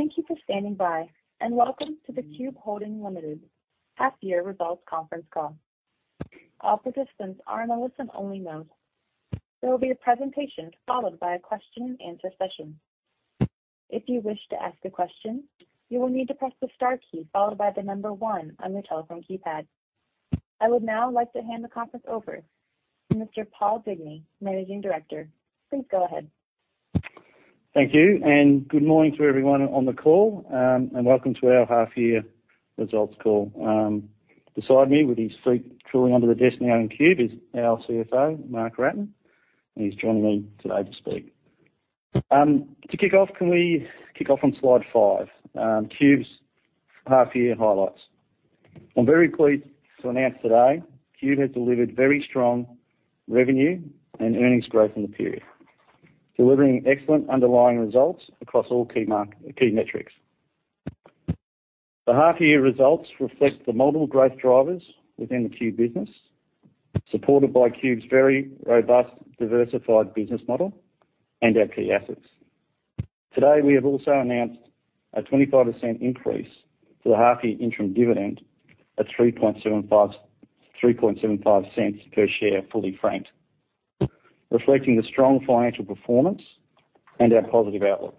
Thank you for standing by, and welcome to the Qube Holdings Limited half-year results conference call. All participants are in a listen-only mode. There will be a presentation followed by a question-and-answer session. If you wish to ask a question, you will need to press the star key followed by the number one on your telephone keypad. I would now like to hand the conference over to Mr. Paul Digney, Managing Director. Please go ahe Thank you. Good morning to everyone on the call, welcome to our half year results call. Beside me with his feet curling under the desk now in Qube is our CFO, Mark Wratten. He's joining me today to speak. To kick off, can we kick off on Slide 5, Qube's half year highlights. I'm very pleased to announce today Qube has delivered very strong revenue and earnings growth in the period, delivering excellent underlying results across all key metrics. The half year results reflect the model growth drivers within the Qube business, supported by Qube's very robust, diversified business model and our key assets. Today, we have also announced a 25% increase to the half year interim dividend at 0.0375 per share, fully franked, reflecting the strong financial performance and our positive outlook.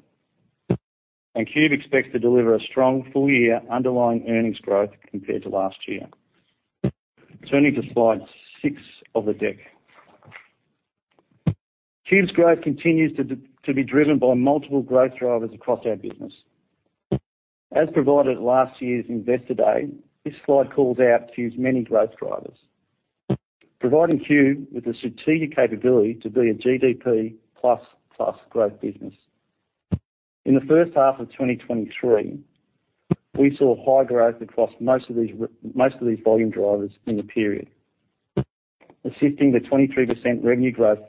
Qube expects to deliver a strong full year underlying earnings growth compared to last year. Turning to Slide 6 of the deck. Qube's growth continues to be driven by multiple growth drivers across our business. As provided at last year's Investor Day, this slide calls out Qube's many growth drivers, providing Qube with the strategic capability to be a GDP++ growth business. In the first half of 2023, we saw high growth across most of these volume drivers in the period, assisting the 23% revenue growth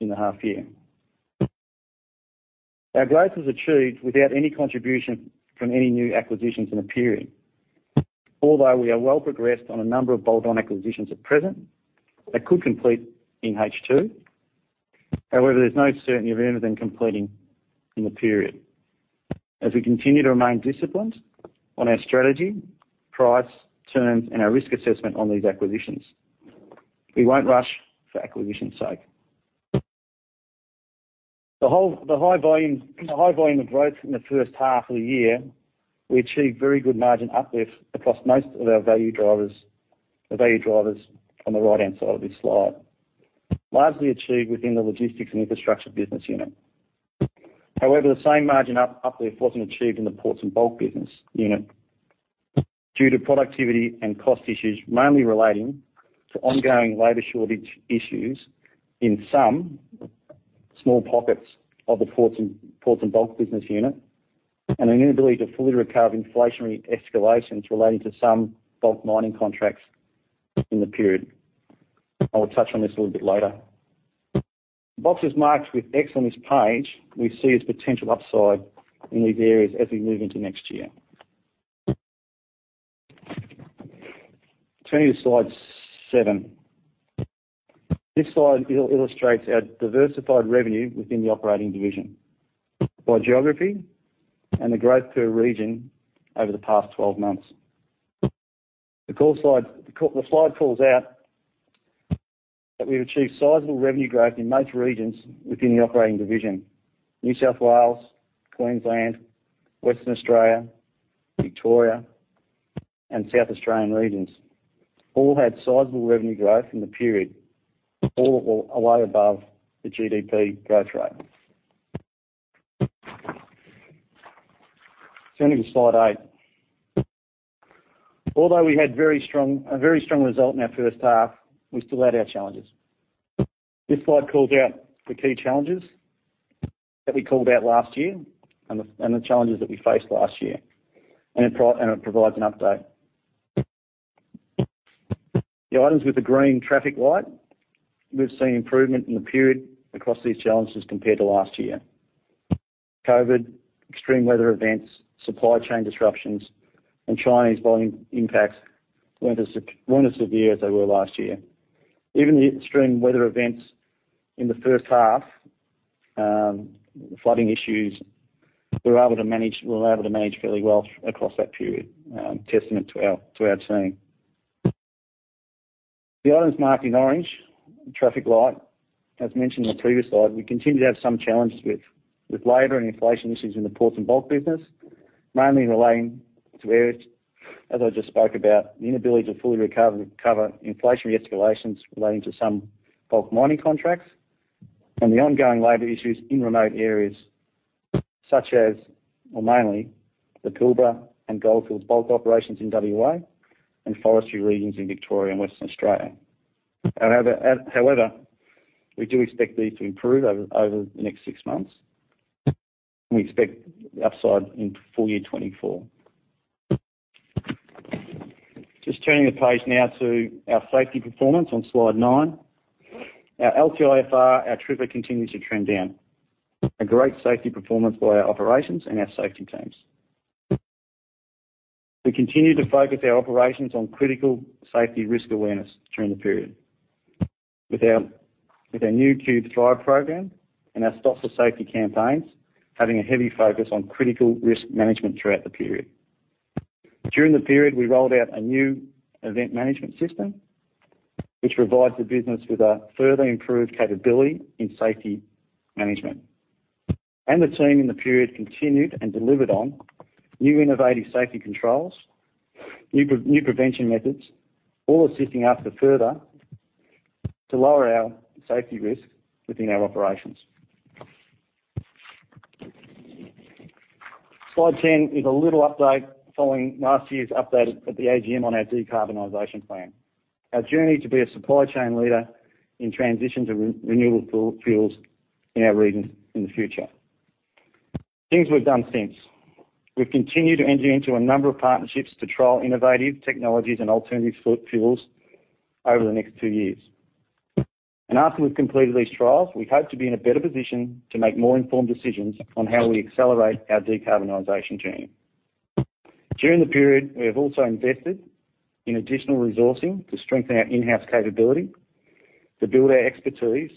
in the half year. Our growth was achieved without any contribution from any new acquisitions in the period. Although we are well progressed on a number of bolt-on acquisitions at present that could complete in H2. However, there's no certainty of any of them completing in the period, as we continue to remain disciplined on our strategy, price, terms, and our risk assessment on these acquisitions. We won't rush for acquisition's sake. The high volume of growth in the first half of the year, we achieved very good margin uplift across most of our value drivers, the value drivers on the right-hand side of this slide. Largely achieved within the logistics and infrastructure business unit. However, the same margin uplift wasn't achieved in the ports and bulk business unit due to productivity and cost issues, mainly relating to ongoing labor shortage issues in some small pockets of the ports and bulk business unit, and an inability to fully recover inflationary escalations relating to some bulk mining contracts in the period. I'll touch on this a little bit later. Boxes marked with X on this page, we see as potential upside in these areas as we move into next year. Turning to Slide 7. This slide illustrates our diversified revenue within the operating division by geography and the growth per region over the past 12 months. The slide calls out that we've achieved sizable revenue growth in most regions within the operating division. New South Wales, Queensland, Western Australia, Victoria, and South Australian regions all had sizable revenue growth in the period, all way above the GDP growth rate. Turning to Slide 8. Although we had a very strong result in our first half, we still had our challenges. This slide calls out the key challenges that we called out last year and the challenges that we faced last year, and it provides an update. The items with the green traffic light, we've seen improvement in the period across these challenges compared to last year. COVID, extreme weather events, supply chain disruptions, and Chinese volume impacts weren't as severe as they were last year. Even the extreme weather events in the first half, the flooding issues, we were able to manage fairly well across that period, testament to our team. The items marked in orange traffic light, as mentioned on the previous slide, we continue to have some challenges with labor and inflation issues in the ports and bulk business, mainly relating to areas as I just spoke about, the inability to fully recover inflationary escalations relating to some bulk mining contracts and the ongoing labor issues in remote areas such as, or mainly, the Pilbara and Goldfields bulk operations in WA and forestry regions in Victoria and Western Australia. Other. However, we do expect these to improve over the next six months. We expect upside in full year 2024. Turning the page now to our safety performance on Slide 9. Our LTIFR, our TRIR, continues to trend down. A great safety performance by our operations and our safety teams. We continued to focus our operations on critical safety risk awareness during the period. With our new Qube Thrive program and our stops or safety campaigns, having a heavy focus on critical risk management throughout the period. During the period, we rolled out a new event management system, which provides the business with a further improved capability in safety management. The team in the period continued and delivered on new innovative safety controls, new prevention methods, all assisting us to further to lower our safety risk within our operations. Slide 10 is a little update following last year's update at the AGM on our decarbonization plan. Our journey to be a supply chain leader in transition to renewable fuels in our regions in the future. Things we've done since. We've continued to enter into a number of partnerships to trial innovative technologies and alternative fuels over the next two years. After we've completed these trials, we hope to be in a better position to make more informed decisions on how we accelerate our decarbonization journey. During the period, we have also invested in additional resourcing to strengthen our in-house capability, to build our expertise,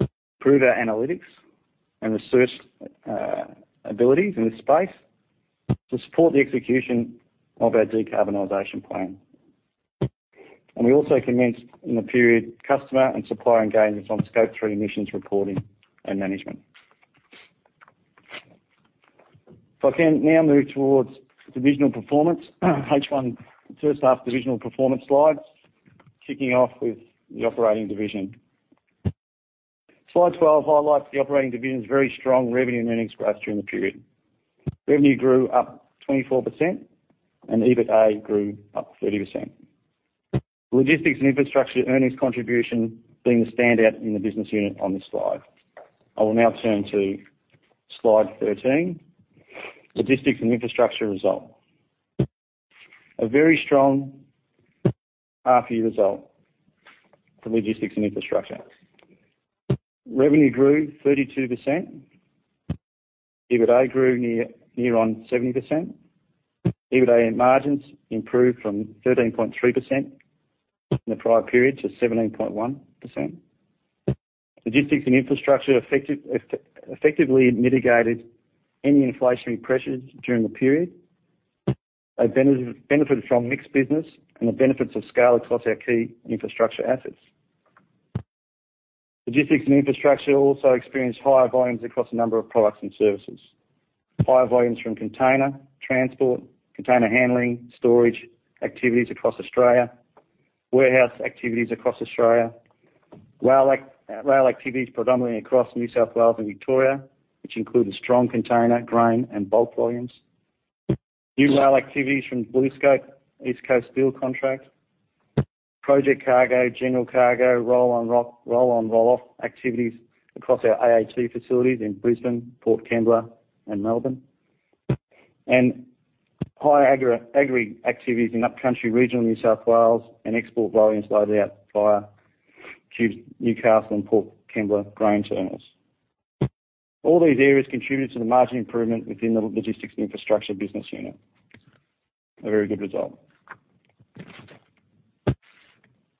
improve our analytics and research abilities in this space to support the execution of our decarbonization plan. We also commenced in the period, customer and supplier engagements on scope three emissions reporting and management. I can now move towards divisional performance, H1 first half divisional performance slides, kicking off with the operating division. Slide 12 highlights the operating division's very strong revenue and earnings growth during the period. Revenue grew up 24% and EBITA grew up 30%. Logistics and infrastructure earnings contribution being the standout in the business unit on this slide. I will now turn to Slide 13, logistics and infrastructure result. A very strong half year result for logistics and infrastructure. Revenue grew 32%. EBITA grew near on 70%. EBITA margins improved from 13.3% in the prior period to 17.1%. Logistics and infrastructure effectively mitigated any inflationary pressures during the period. They benefited from mixed business and the benefits of scale across our key infrastructure assets. Logistics and infrastructure also experienced higher volumes across a number of products and services. Higher volumes from container, transport, container handling, storage, activities across Australia, warehouse activities across Australia. Rail activities predominantly across New South Wales and Victoria, which include a strong container, grain, and bulk volumes. New rail activities from BlueScope East Coast steel contract, project cargo, general cargo, roll on, roll off activities across our AHT facilities in Brisbane, Port Kembla and Melbourne. High agri activities in upcountry regional New South Wales and export volumes loaded out via Qube's Newcastle and Port Kembla grain terminals. All these areas contributed to the margin improvement within the logistics and infrastructure business unit. A very good result.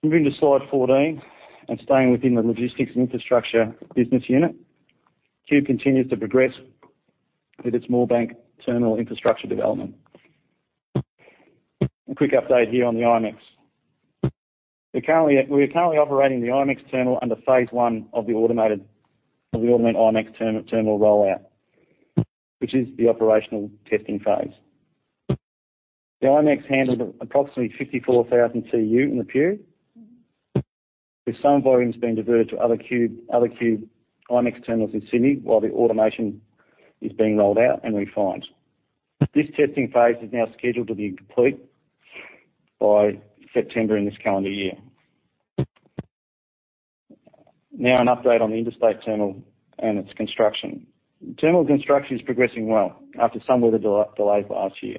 Moving to Slide 14 and staying within the logistics and infrastructure business unit. Qube continues to progress with its Moorebank terminal infrastructure development. A quick update here on the IMEX. We are currently operating the IMEX terminal under phase one of the automated IMEX terminal rollout, which is the operational testing phase. The IMEX handled approximately 54,000 TU in the period, with some volumes being diverted to other Qube IMEX terminals in Sydney while the automation is being rolled out and refined. This testing phase is now scheduled to be complete by September in this calendar year. An update on the Interstate Terminal and its construction. Terminal construction is progressing well after some weather delays last year,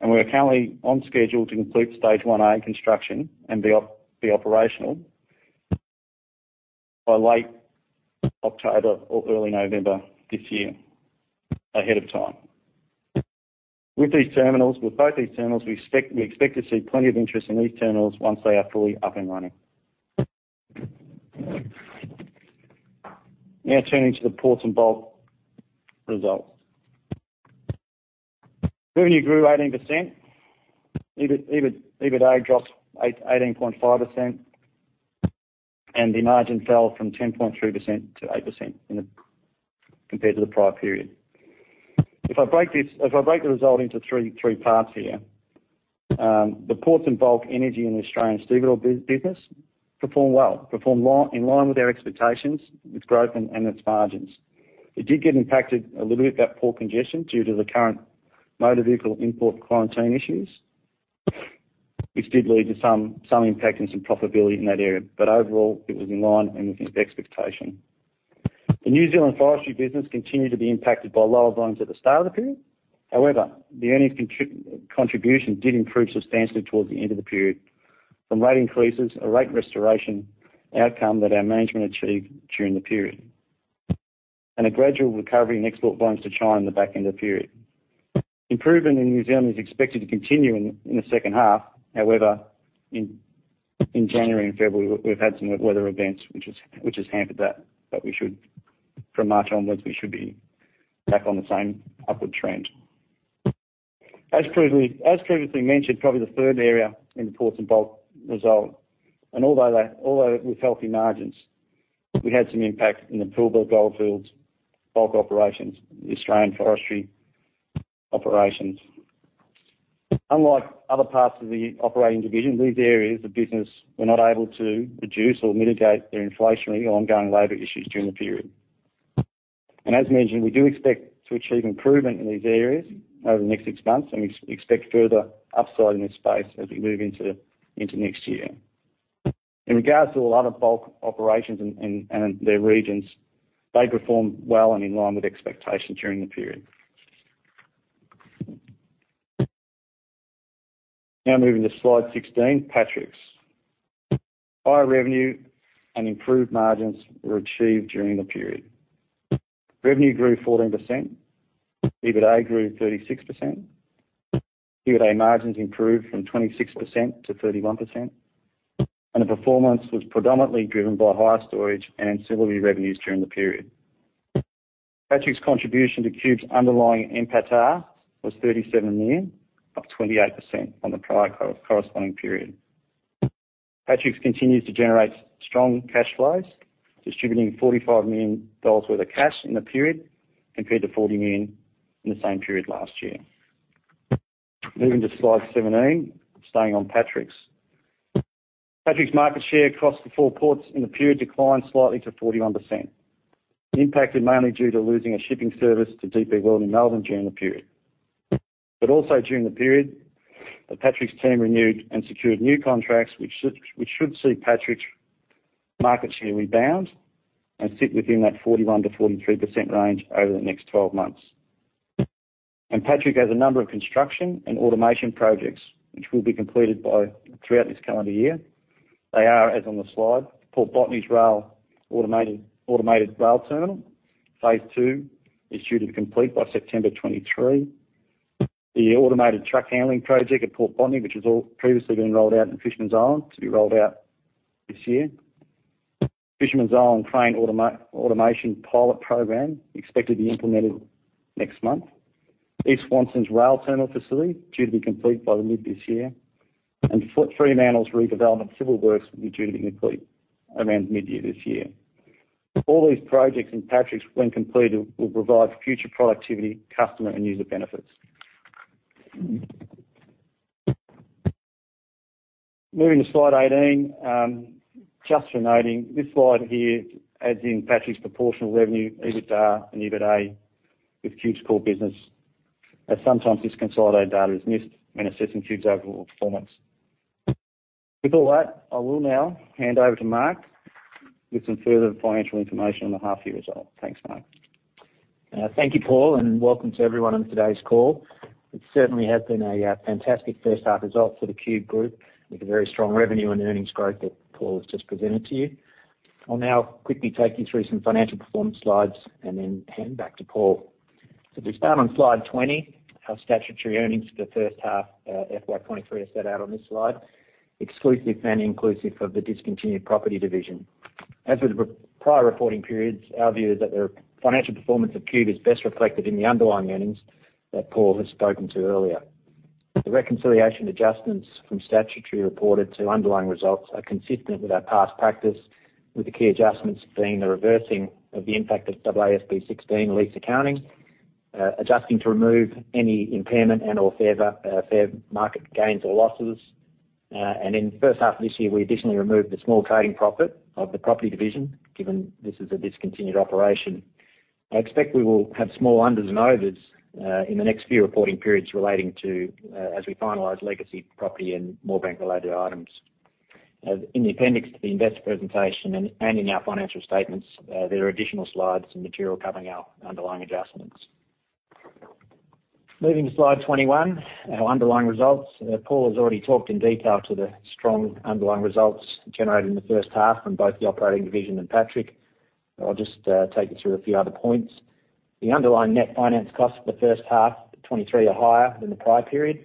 and we are currently on schedule to complete Stage 1A construction and be operational by late October or early November this year. Ahead of time. With these terminals, with both these terminals, we expect to see plenty of interest in these terminals once they are fully up and running. Turning to the ports and bulk results. Revenue grew 18%. EBIT, EBITDA dropped 18.5%, and the margin fell from 10.3%-8% compared to the prior period. If I break this, if I break the result into three parts here. The ports and bulk energy in the Australian stevedore business performed well, performed in line with our expectations with growth and its margins. It did get impacted a little bit by port congestion due to the current motor vehicle import quarantine issues, which did lead to some impact in some profitability in that area. But overall, it was in line and within expectation. The New Zealand forestry business continued to be impacted by lower volumes at the start of the period. However, the earnings contribution did improve substantially towards the end of the period from rate increases or rate restoration outcome that our management achieved during the period. A gradual recovery in export volumes to China in the back end of the period. Improvement in New Zealand is expected to continue in the second half. However, in January and February, we've had some weather events which has hampered that. From March onwards, we should be back on the same upward trend. As previously mentioned, probably the third area in the ports and bulk result. Although with healthy margins, we had some impact in the Pilbara goldfields bulk operations, the Australian forestry operations. Unlike other parts of the operating division, these areas of business were not able to reduce or mitigate their inflationary or ongoing labor issues during the period. As mentioned, we do expect to achieve improvement in these areas over the next six months, and we expect further upside in this space as we move into next year. In regards to a lot of bulk operations and their regions, they performed well and in line with expectations during the period. Now moving to Slide 16, Patrick's. Higher revenue and improved margins were achieved during the period. Revenue grew 14%, EBITDA grew 36%. EBITDA margins improved from 26%-31%, and the performance was predominantly driven by higher storage and ancillary revenues during the period. Patrick's contribution to Qube's underlying NPATAR was 37 million, up 28% on the prior corresponding period. Patrick's continues to generate strong cash flows, distributing 45 million dollars worth of cash in the period compared to 40 million in the same period last year. Moving to Slide 17. Staying on Patrick's. Patrick's market share across the four ports in the period declined slightly to 41%. The impact is mainly due to losing a shipping service to DP World in Melbourne during the period. Also during the period, the Patrick's team renewed and secured new contracts which should see Patrick's market share rebound and sit within that 41%-43% range over the next 12 months. Patrick has a number of construction and automation projects which will be completed throughout this calendar year. They are, as on the slide, Port Botany's Rail Automated Rail Terminal, phase two is due to complete by September 2023. The automated track handling project at Port Botany, which was all previously being rolled out in Fisherman's Island, to be rolled out this year. Fisherman's Island crane automation pilot program, expected to be implemented next month. East Swanson's rail terminal facility, due to be complete by the mid this year. F03 Manual redevelopment civil works will be due to be complete around mid-year this year. All these projects in Patrick's, when completed, will provide future productivity, customer, and user benefits. Moving to Slide 18, just for noting, this slide here adds in Patrick's proportional revenue, EBITDA, and EBITDA with Qube's core business, as sometimes this consolidated data is missed when assessing Qube's overall performance. With all that, I will now hand over to Mark with some further financial information on the half year result. Thanks, Mark. Thank you, Paul, and welcome to everyone on today's call. It certainly has been a fantastic first half result for the Qube Group with the very strong revenue and earnings growth that Paul has just presented to you. I'll now quickly take you through some financial performance slides and then hand back to Paul. If we start on Slide 20, our statutory earnings for the first half, FY 2023 are set out on this slide, exclusive and inclusive of the discontinued property division. As with prior reporting periods, our view is that the financial performance of Qube is best reflected in the underlying earnings that Paul has spoken to earlier. The reconciliation adjustments from statutory reported to underlying results are consistent with our past practice, with the key adjustments being the reversing of the impact of AASB 16 lease accounting, adjusting to remove any impairment and/or favor market gains or losses. In the first half of this year, we additionally removed the small trading profit of the property division, given this is a discontinued operation. I expect we will have small unders and overs in the next few reporting periods relating to, as we finalize legacy property and Moorebank-related items. In the appendix to the investor presentation and in our financial statements, there are additional slides and material covering our underlying adjustments. Moving to Slide 21, our underlying results. Paul has already talked in detail to the strong underlying results generated in the first half from both the operating division and Patrick. I'll just take you through a few other points. The underlying net finance costs for the first half of 2023 are higher than the prior period.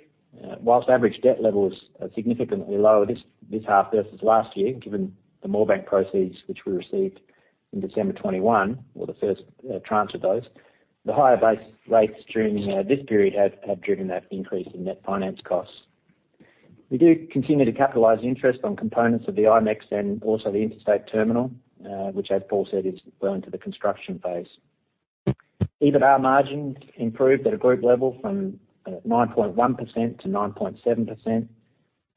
Whilst average debt levels are significantly lower this half versus last year, given the Moorebank proceeds which we received in December 2021 or the first tranche of those, the higher base rates during this period have driven that increase in net finance costs. We do continue to capitalize interest on components of the IMEX and also the Interstate Terminal, which as Paul said, is well into the construction phase. EBITA margins improved at a group level from 9.1%-9.7%,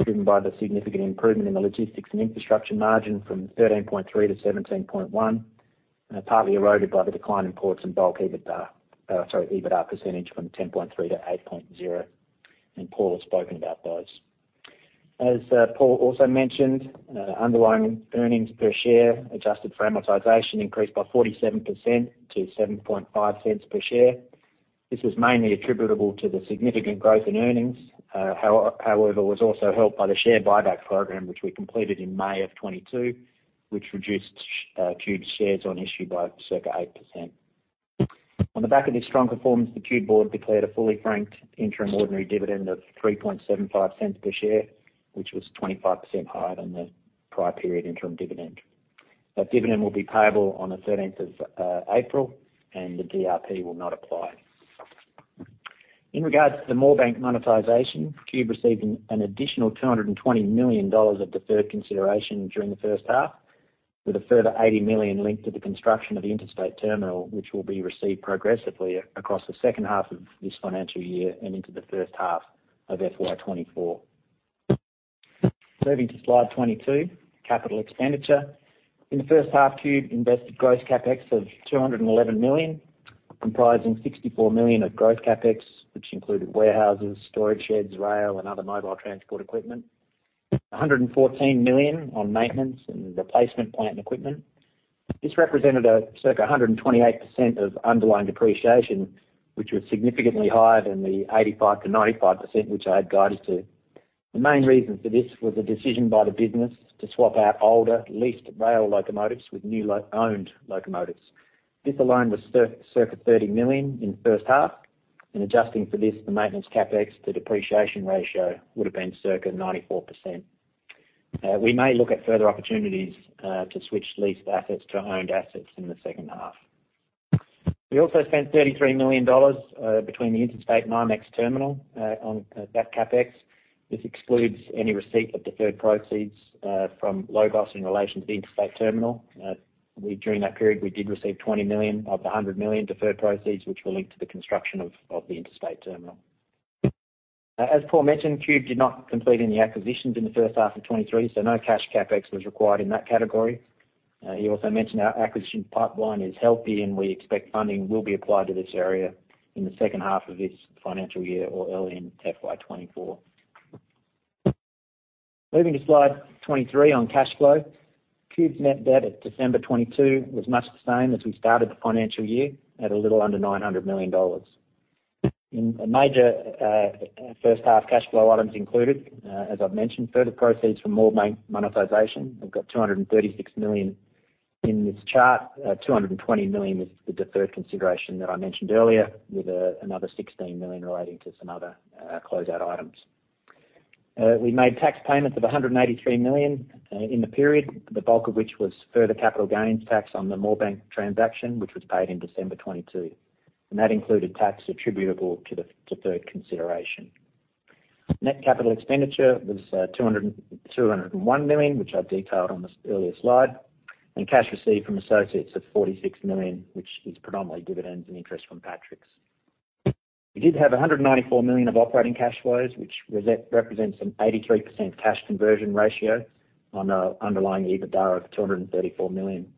driven by the significant improvement in the logistics and infrastructure margin from 13.3%-17.1%, partly eroded by the decline in ports and bulk EBITDA. Sorry, EBITDA percentage from 10.3%-8.0%, and Paul has spoken about those. As Paul also mentioned, underlying earnings per share adjusted for amortization increased by 47% to 0.075 per share. This was mainly attributable to the significant growth in earnings, however, was also helped by the share buyback program, which we completed in May of 2022, which reduced Qube's shares on issue by circa 8%. On the back of this strong performance, the Qube board declared a fully franked interim ordinary dividend of 0.0375 per share, which was 25% higher than the prior period interim dividend. That dividend will be payable on the 13th of April, and the DRP will not apply. In regards to the Moorebank monetization, Qube received an additional 220 million dollars of deferred consideration during the first half, with a further 80 million linked to the construction of the Interstate Terminal, which will be received progressively across the second half of this financial year and into the first half of FY 2024. Moving to Slide 22, capital expenditure. In the first half, Qube invested gross CapEx of 211 million, comprising 64 million of growth CapEx, which included warehouses, storage sheds, rail, and other mobile transport equipment. 114 million on maintenance and replacement plant and equipment. This represented circa 128% of underlying depreciation, which was significantly higher than the 85%-95%, which I had guided to. The main reason for this was a decision by the business to swap out older leased rail locomotives with new owned locomotives. This alone was circa 30 million in the first half, and adjusting for this, the maintenance CapEx to depreciation ratio would have been circa 94%. We may look at further opportunities to switch leased assets to owned assets in the second half. We also spent 33 million dollars between the Interstate and IMEX terminal on that CapEx. This excludes any receipt of deferred proceeds from LOGOS in relation to the Interstate terminal. During that period, we did receive 20 million of the 100 million deferred proceeds, which were linked to the construction of the Interstate Terminal. As Paul mentioned, Qube did not complete any acquisitions in the first half of 2023, so no cash CapEx was required in that category. He also mentioned our acquisition pipeline is healthy, and we expect funding will be applied to this area in the second half of this financial year or early in FY 2024. Moving to Slide 23 on cash flow. Qube's net debt at December 2022 was much the same as we started the financial year at a little under 900 million dollars. Major first half cash flow items included, as I've mentioned, further proceeds from Moorebank monetization. We've got 236 million in this chart. 220 million was the deferred consideration that I mentioned earlier, with another 16 million relating to some other closeout items. We made tax payments of 183 million in the period, the bulk of which was further capital gains tax on the Moorebank transaction, which was paid in December 2022. That included tax attributable to the deferred consideration. Net capital expenditure was 201 million, which I detailed on the earlier slide, and cash received from associates of 46 million, which is predominantly dividends and interest from Patricks. We did have 194 million of operating cash flows, which represents an 83% cash conversion ratio on underlying EBITDA of 234 million.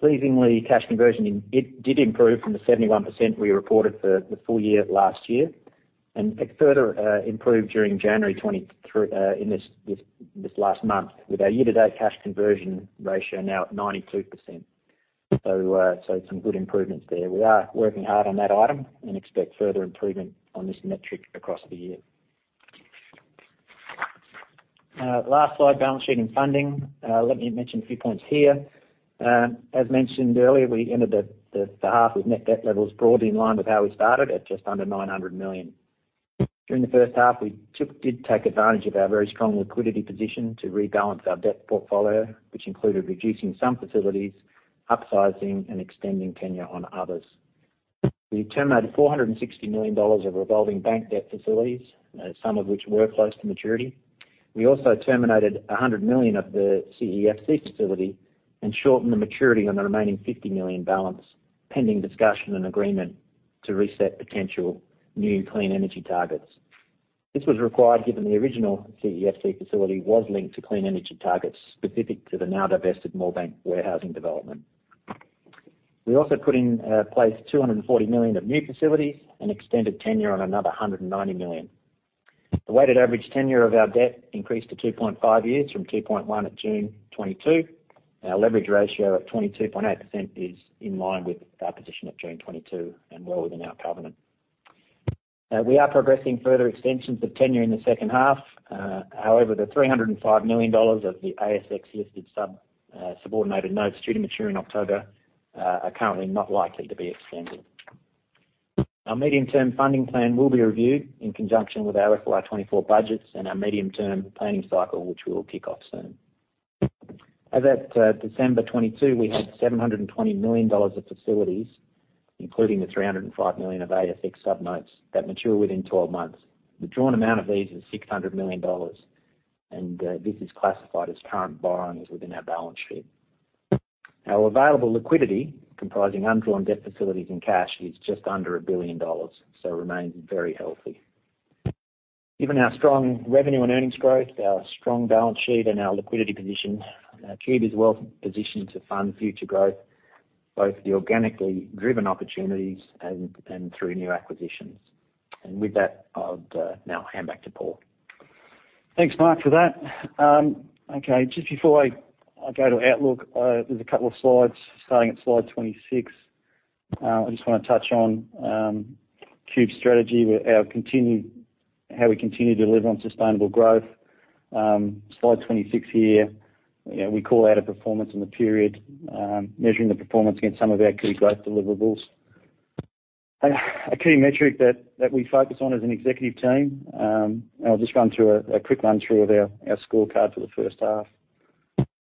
Pleasingly, cash conversion it did improve from the 71% we reported for the full year last year, and it further improved during January 2023 in this last month. With our year-to-date cash conversion ratio now at 92%. Some good improvements there. We are working hard on that item and expect further improvement on this metric across the year. Last slide, balance sheet and funding. Let me mention a few points here. As mentioned earlier, we ended the half with net debt levels broadly in line with how we started at just under 900 million. During the first half, we did take advantage of our very strong liquidity position to rebalance our debt portfolio, which included reducing some facilities, upsizing and extending tenure on others. We terminated 460 million dollars of revolving bank debt facilities, some of which were close to maturity. We also terminated 100 million of the CEFC facility and shortened the maturity on the remaining 50 million balance, pending discussion and agreement to reset potential new clean energy targets. This was required given the original CEFC facility was linked to clean energy targets specific to the now-divested Moorebank warehousing development. We also put in place 240 million of new facilities and extended tenure on another 190 million. The weighted average tenure of our debt increased to 2.5 years from 2.1 at June 2022. Our leverage ratio of 22.8% is in line with our position at June 2022 and well within our covenant. We are progressing further extensions of tenure in the second half. However, the $305 million of the ASX-listed subordinated notes due to mature in October are currently not likely to be extended. Our medium-term funding plan will be reviewed in conjunction with our FY 2024 budgets and our medium-term planning cycle, which we'll kick off soon. As at December 2022, we had $720 million of facilities, including the $305 million of ASX subordinated notes that mature within 12 months. The drawn amount of these is $600 million, and this is classified as current borrowings within our balance sheet. Our available liquidity, comprising undrawn debt facilities and cash, is just under $1 billion, so remains very healthy. Given our strong revenue and earnings growth, our strong balance sheet, and our liquidity position, Qube is well positioned to fund future growth, both the organically driven opportunities and through new acquisitions. With that, I'll now hand back to Paul. Thanks, Mark, for that. Okay, just before I go to outlook, there's a couple of slides starting at Slide 26. I just wanna touch on Qube's strategy, how we continue to deliver on sustainable growth. Slide 26 here, you know, we call out a performance in the period, measuring the performance against some of our key growth deliverables. A key metric that we focus on as an executive team, and I'll just run through a quick run-through of our scorecard for the first half.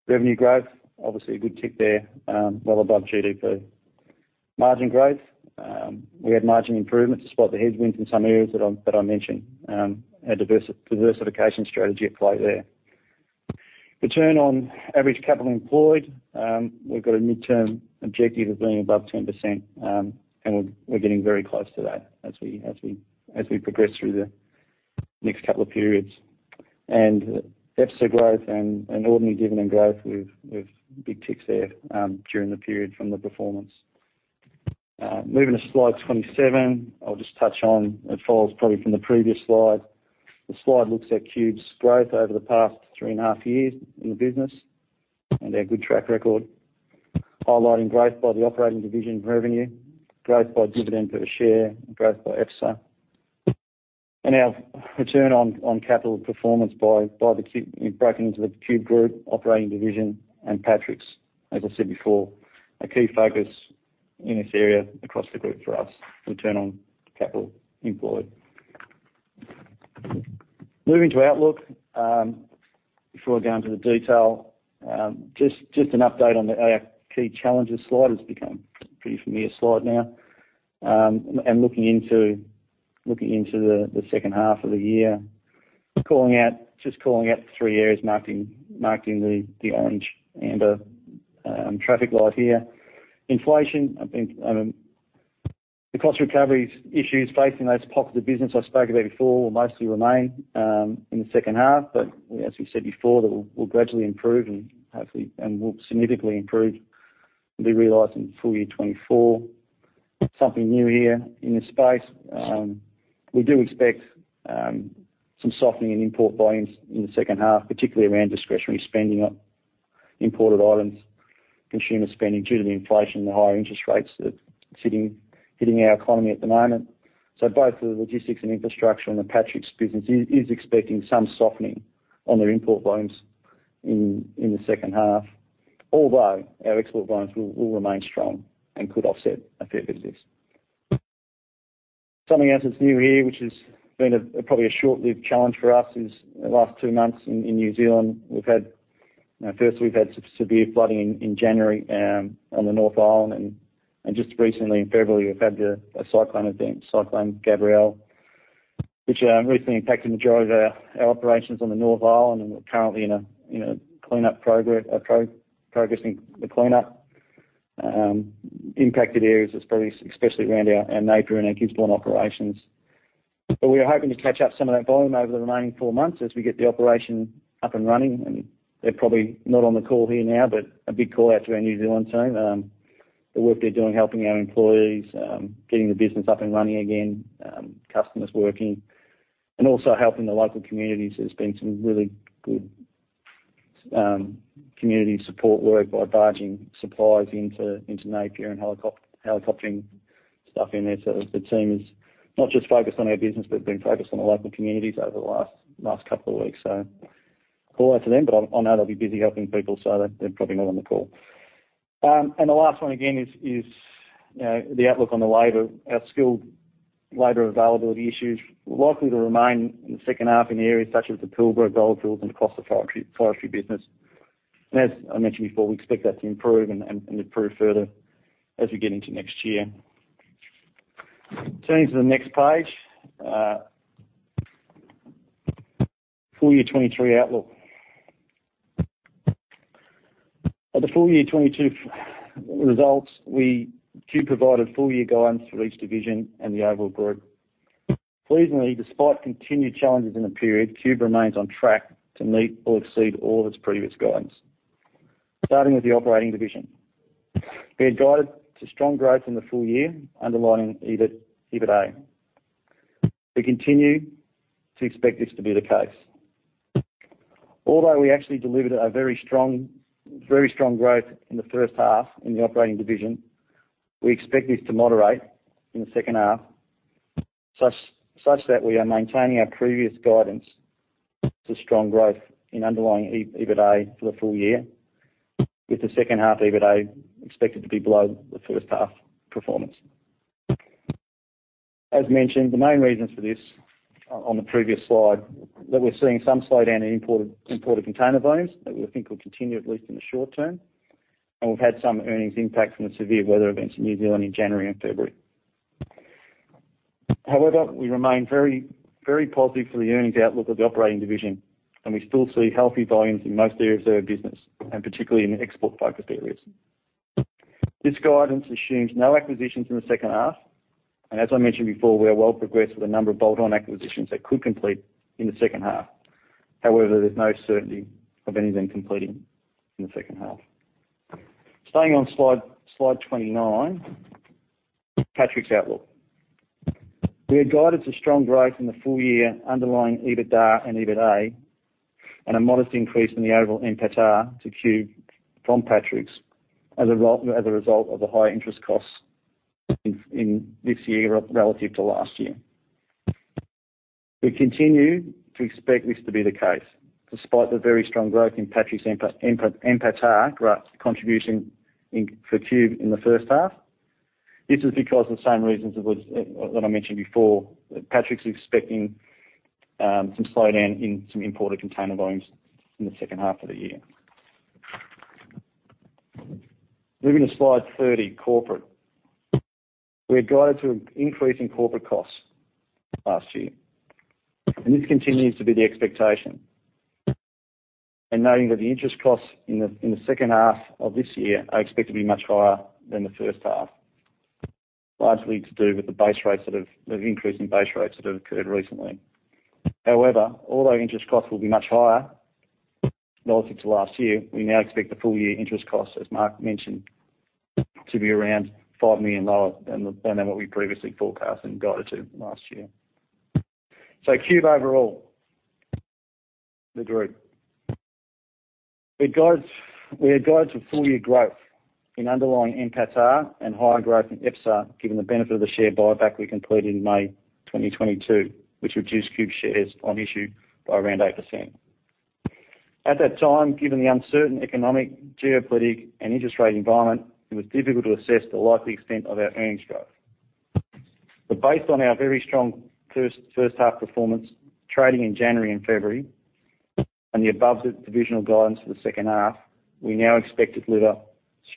Revenue growth, obviously a good tick there, well above GDP. Margin growth, we had margin improvements despite the headwinds in some areas that I mentioned, our diversification strategy at play there. Return on Average Capital Employed, we've got a midterm objective of being above 10%, and we're getting very close to that as we progress through the next couple of periods. EPSA growth and ordinary dividend growth with big ticks there during the period from the performance. Moving to Slide 27. It follows probably from the previous slide. The slide looks at Qube's growth over the past 3.5 years in the business, and our good track record, highlighting growth by the operating division revenue, growth by dividend per share, and growth by EPSA. Our return on capital performance by you know, broken into the Qube group, operating division, and Patrick's. As I said before, a key focus in this area across the group for us, Return on Capital Employed. Moving to outlook, before I go into the detail, just an update on our key challenges slide. It's become a pretty familiar slide now. Looking into the second half of the year, calling out, just calling out the three areas marked in the orange amber traffic light here. Inflation, I think, The cost recovery issues facing those parts of the business I spoke about before will mostly remain in the second half, but as we said before, that will gradually improve and will significantly improve and be realized in full year 2024. Something new here in this space, we do expect some softening in import volumes in the second half, particularly around discretionary spending on imported items, consumer spending due to the inflation and the higher interest rates that's sitting in our economy at the moment. Both the logistics and infrastructure and the Patrick's business is expecting some softening on their import volumes in the second half. Our export volumes will remain strong and could offset a fair bit of this. Something else that's new here, which has been a probably a short-lived challenge for us, is the last two months in New Zealand. We've had. You know, first we've had severe flooding in January, on the North Island. Just recently in February, we've had a cyclone event, Cyclone Gabriella, which recently impacted the majority of our operations on the North Island. We're currently in a cleanup progressing the cleanup. Impacted areas is probably especially around our Napier and our Gisborne operations. We're hoping to catch up some of that volume over the remaining four months as we get the operation up and running. They're probably not on the call here now, but a big call out to our New Zealand team. The work they're doing helping our employees, getting the business up and running again, customers working, and also helping the local communities. There's been some really good community support work by barging supplies into Napier and helicoptering stuff in there. The team is not just focused on our business, but been focused on the local communities over the last couple of weeks. Call out to them, but I know they'll be busy helping people, so they're probably not on the call. The last one, again, is, you know, the outlook on the labor. Our skilled labor availability issues are likely to remain in the second half in the areas such as the Pilbara goldfields and across the forestry business. As I mentioned before, we expect that to improve and improve further as we get into next year. Turning to the next page, full year 23 outlook. At the full year 2022 results, Qube provided full year guidance for each division and the overall group. Pleasingly, despite continued challenges in the period, Qube remains on track to meet or exceed all of its previous guidance. Starting with the operating division. We had guided to strong growth in the full year, underlying EBIT, EBITDA. We continue to expect this to be the case. Although we actually delivered a very strong growth in the first half in the operating division, we expect this to moderate in the second half, such that we are maintaining our previous guidance to strong growth in underlying EBITDA for the full year, with the second half EBITDA expected to be below the first half performance. As mentioned, the main reasons for this on the previous slide, that we're seeing some slowdown in imported container volumes that we think will continue at least in the short term. We've had some earnings impact from the severe weather events in New Zealand in January and February. However, we remain very positive for the earnings outlook of the operating division, and we still see healthy volumes in most areas of our business, and particularly in the export-focused areas. This guidance assumes no acquisitions in the second half, and as I mentioned before, we are well progressed with a number of bolt-on acquisitions that could complete in the second half. However, there's no certainty of any of them completing in the second half. Staying on Slide 29 Patrick's outlook. We had guided to strong growth in the full year underlying EBITDA and EBITA, and a modest increase in the overall NPATA to Qube from Patrick's as a result of the high interest costs in this year relative to last year. We continue to expect this to be the case despite the very strong growth in Patrick's NPATA gross contribution for Qube in the first half. This is because of the same reasons it was that I mentioned before, that Patrick's expecting some slowdown in some imported container volumes in the second half of the year. Moving to Slide 30, corporate. We had guided to an increase in corporate costs last year. This continues to be the expectation. Noting that the interest costs in the second half of this year are expected to be much higher than the first half, largely to do with the increase in base rates that have occurred recently. However, although interest costs will be much higher relative to last year, we now expect the full year interest costs, as Mark mentioned, to be around 5 million lower than what we previously forecast and guided to last year. Qube overall, the group. We had guides for full-year growth in underlying NPATA and higher growth in EPSA, given the benefit of the share buyback we completed in May 2022, which reduced Qube's shares on issue by around 8%. At that time, given the uncertain economic, geopolitical, and interest rate environment, it was difficult to assess the likely extent of our earnings growth. Based on our very strong first half performance trading in January and February and the above the divisional guidance for the second half, we now expect to deliver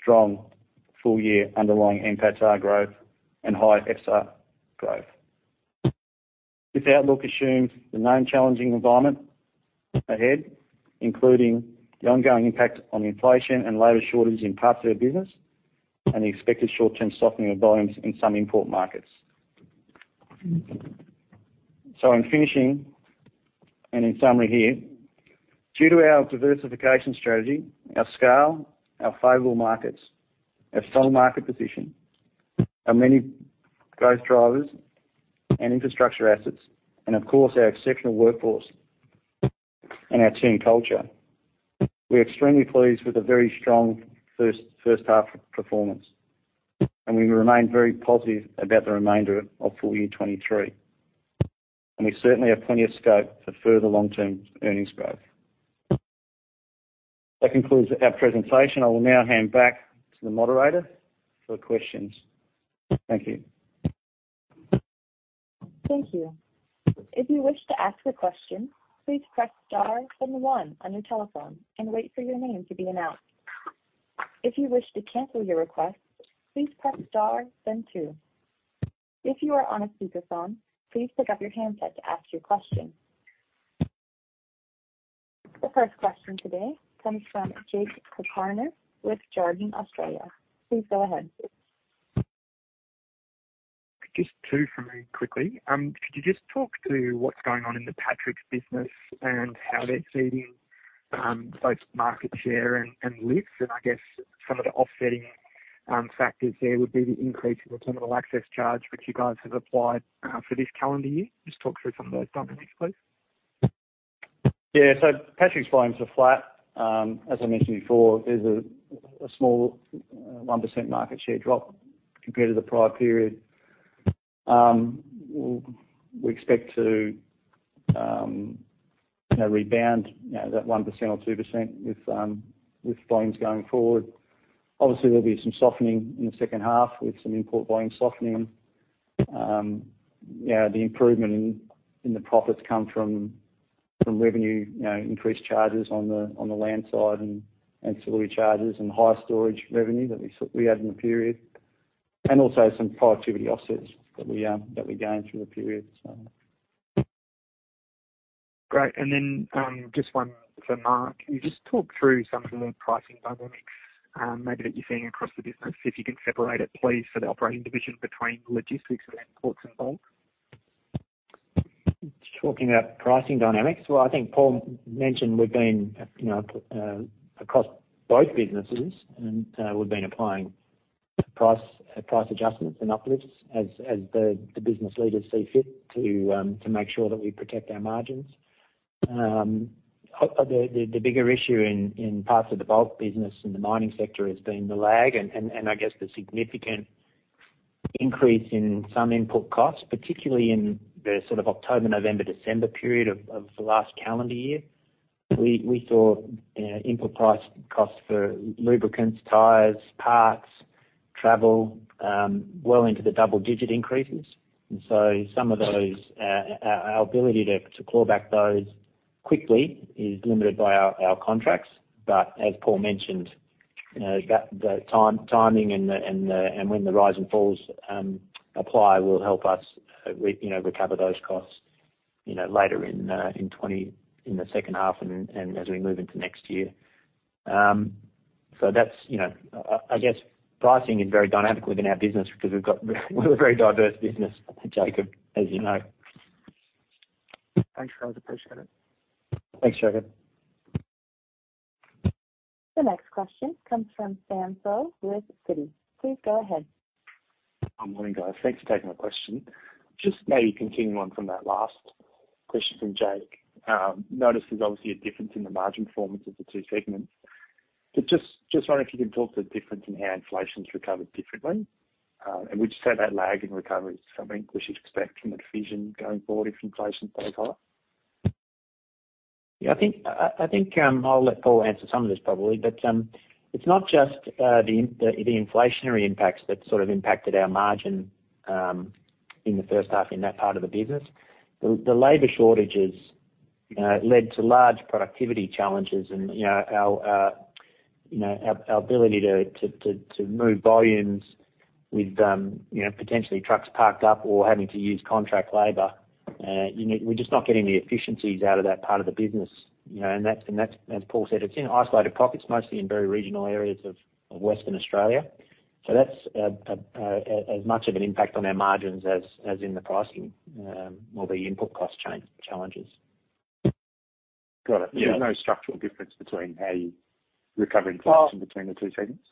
strong full-year underlying NPATA growth and high EPSA growth. This outlook assumes the known challenging environment ahead, including the ongoing impact on inflation and labor shortage in parts of our business and the expected short-term softening of volumes in some import markets. In finishing and in summary here, due to our diversification strategy, our scale, our favorable markets, our strong market position, our many growth drivers and infrastructure assets, and of course, our exceptional workforce and our team culture, we're extremely pleased with the very strong first half performance, and we remain very positive about the remainder of full year 2023. We certainly have plenty of scope for further long-term earnings growth. That concludes our presentation. I will now hand back to the moderator for questions. Thank you. Thank you. If you wish to ask a question, please press star then one on your telephone and wait for your name to be announced. If you wish to cancel your request, please press star then two. If you are on a speakerphone, please pick up your handset to ask your question. The first question today comes from Jakob Cakarnis with Jarden Australia. Please go ahead. Just two from me quickly. Could you just talk to what's going on in the Patrick's business and how they're seeing, both market share and lifts? I guess some of the offsetting factors there would be the increase in the terminal access charge, which you guys have applied for this calendar year. Just talk through some of those dynamics, please. Patrick's volumes are flat. As I mentioned before, there's a small 1% market share drop compared to the prior period. We expect to, you know, rebound, you know, that 1% or 2% with volumes going forward. Obviously, there'll be some softening in the second half with some import volume softening. You know, the improvement in the profits come from revenue, you know, increased charges on the land side and ancillary charges and higher storage revenue that we had in the period, and also some productivity offsets that we gained through the period. Great. Just one for Mark. Can you just talk through some of the pricing dynamics, maybe that you're seeing across the business? If you can separate it, please, for the operating division between logistics and imports and bulk. Talking about pricing dynamics. Well, I think Paul mentioned we've been, you know, across both businesses and, we've been applying price adjustments and uplifts as the business leaders see fit to make sure that we protect our margins. The bigger issue in parts of the bulk business in the mining sector has been the lag and I guess the significant increase in some input costs, particularly in the sort of October, November, December period of the last calendar year. We saw, you know, input price costs for lubricants, tires, parts, travel, well into the double-digit increases. Some of those, our ability to claw back those quickly is limited by our contracts. As Paul mentioned, you know, that the time-timing and the, and when the rise and falls apply will help us, we, you know, recover those costs, you know, later in the second half and as we move into next year. So that's, you know, I guess pricing is very dynamic within our business because we're a very diverse business, Jakob, as you know. Thanks, guys. Appreciate it. Thanks, Jakob. The next question comes from Samuel Seow with Citi. Please go ahead. Good morning, guys. Thanks for taking my question. Just maybe continuing on from that last question from Jakob. Noticed there's obviously a difference in the margin performance of the two segments. Just wonder if you can talk to the difference in how inflation's recovered differently. Would you say that lag in recovery is something we should expect from the division going forward if inflation stays high? Yeah, I think, I think, I'll let Paul answer some of this probably. It's not just the inflationary impacts that sort of impacted our margin in the first half in that part of the business. The labor shortages led to large productivity challenges and, you know, our, you know, our ability to move volumes with, you know, potentially trucks parked up or having to use contract labor, you know, we're just not getting the efficiencies out of that part of the business, you know. That's, as Paul said, it's in isolated pockets, mostly in very regional areas of Western Australia. That's as much of an impact on our margins as in the pricing or the input cost challenges. Got it. Yeah. There's no structural difference between how you recover inflation between the two segments?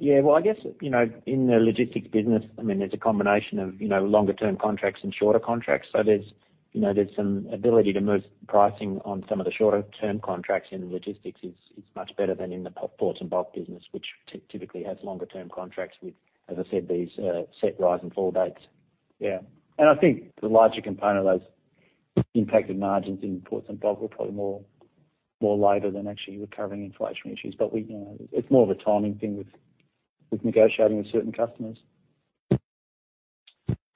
Yeah, well, I guess, you know, in the logistics business, I mean, there's a combination of, you know, longer term contracts and shorter contracts. There's, you know, there's some ability to move pricing on some of the shorter term contracts in the logistics is much better than in the ports and bulk business, which typically has longer term contracts with, as I said, these set rise and fall dates. Yeah. I think the larger component of those impacted margins in ports and bulk were probably more labor than actually recovering inflationary issues. We, you know, it's more of a timing thing with negotiating with certain customers.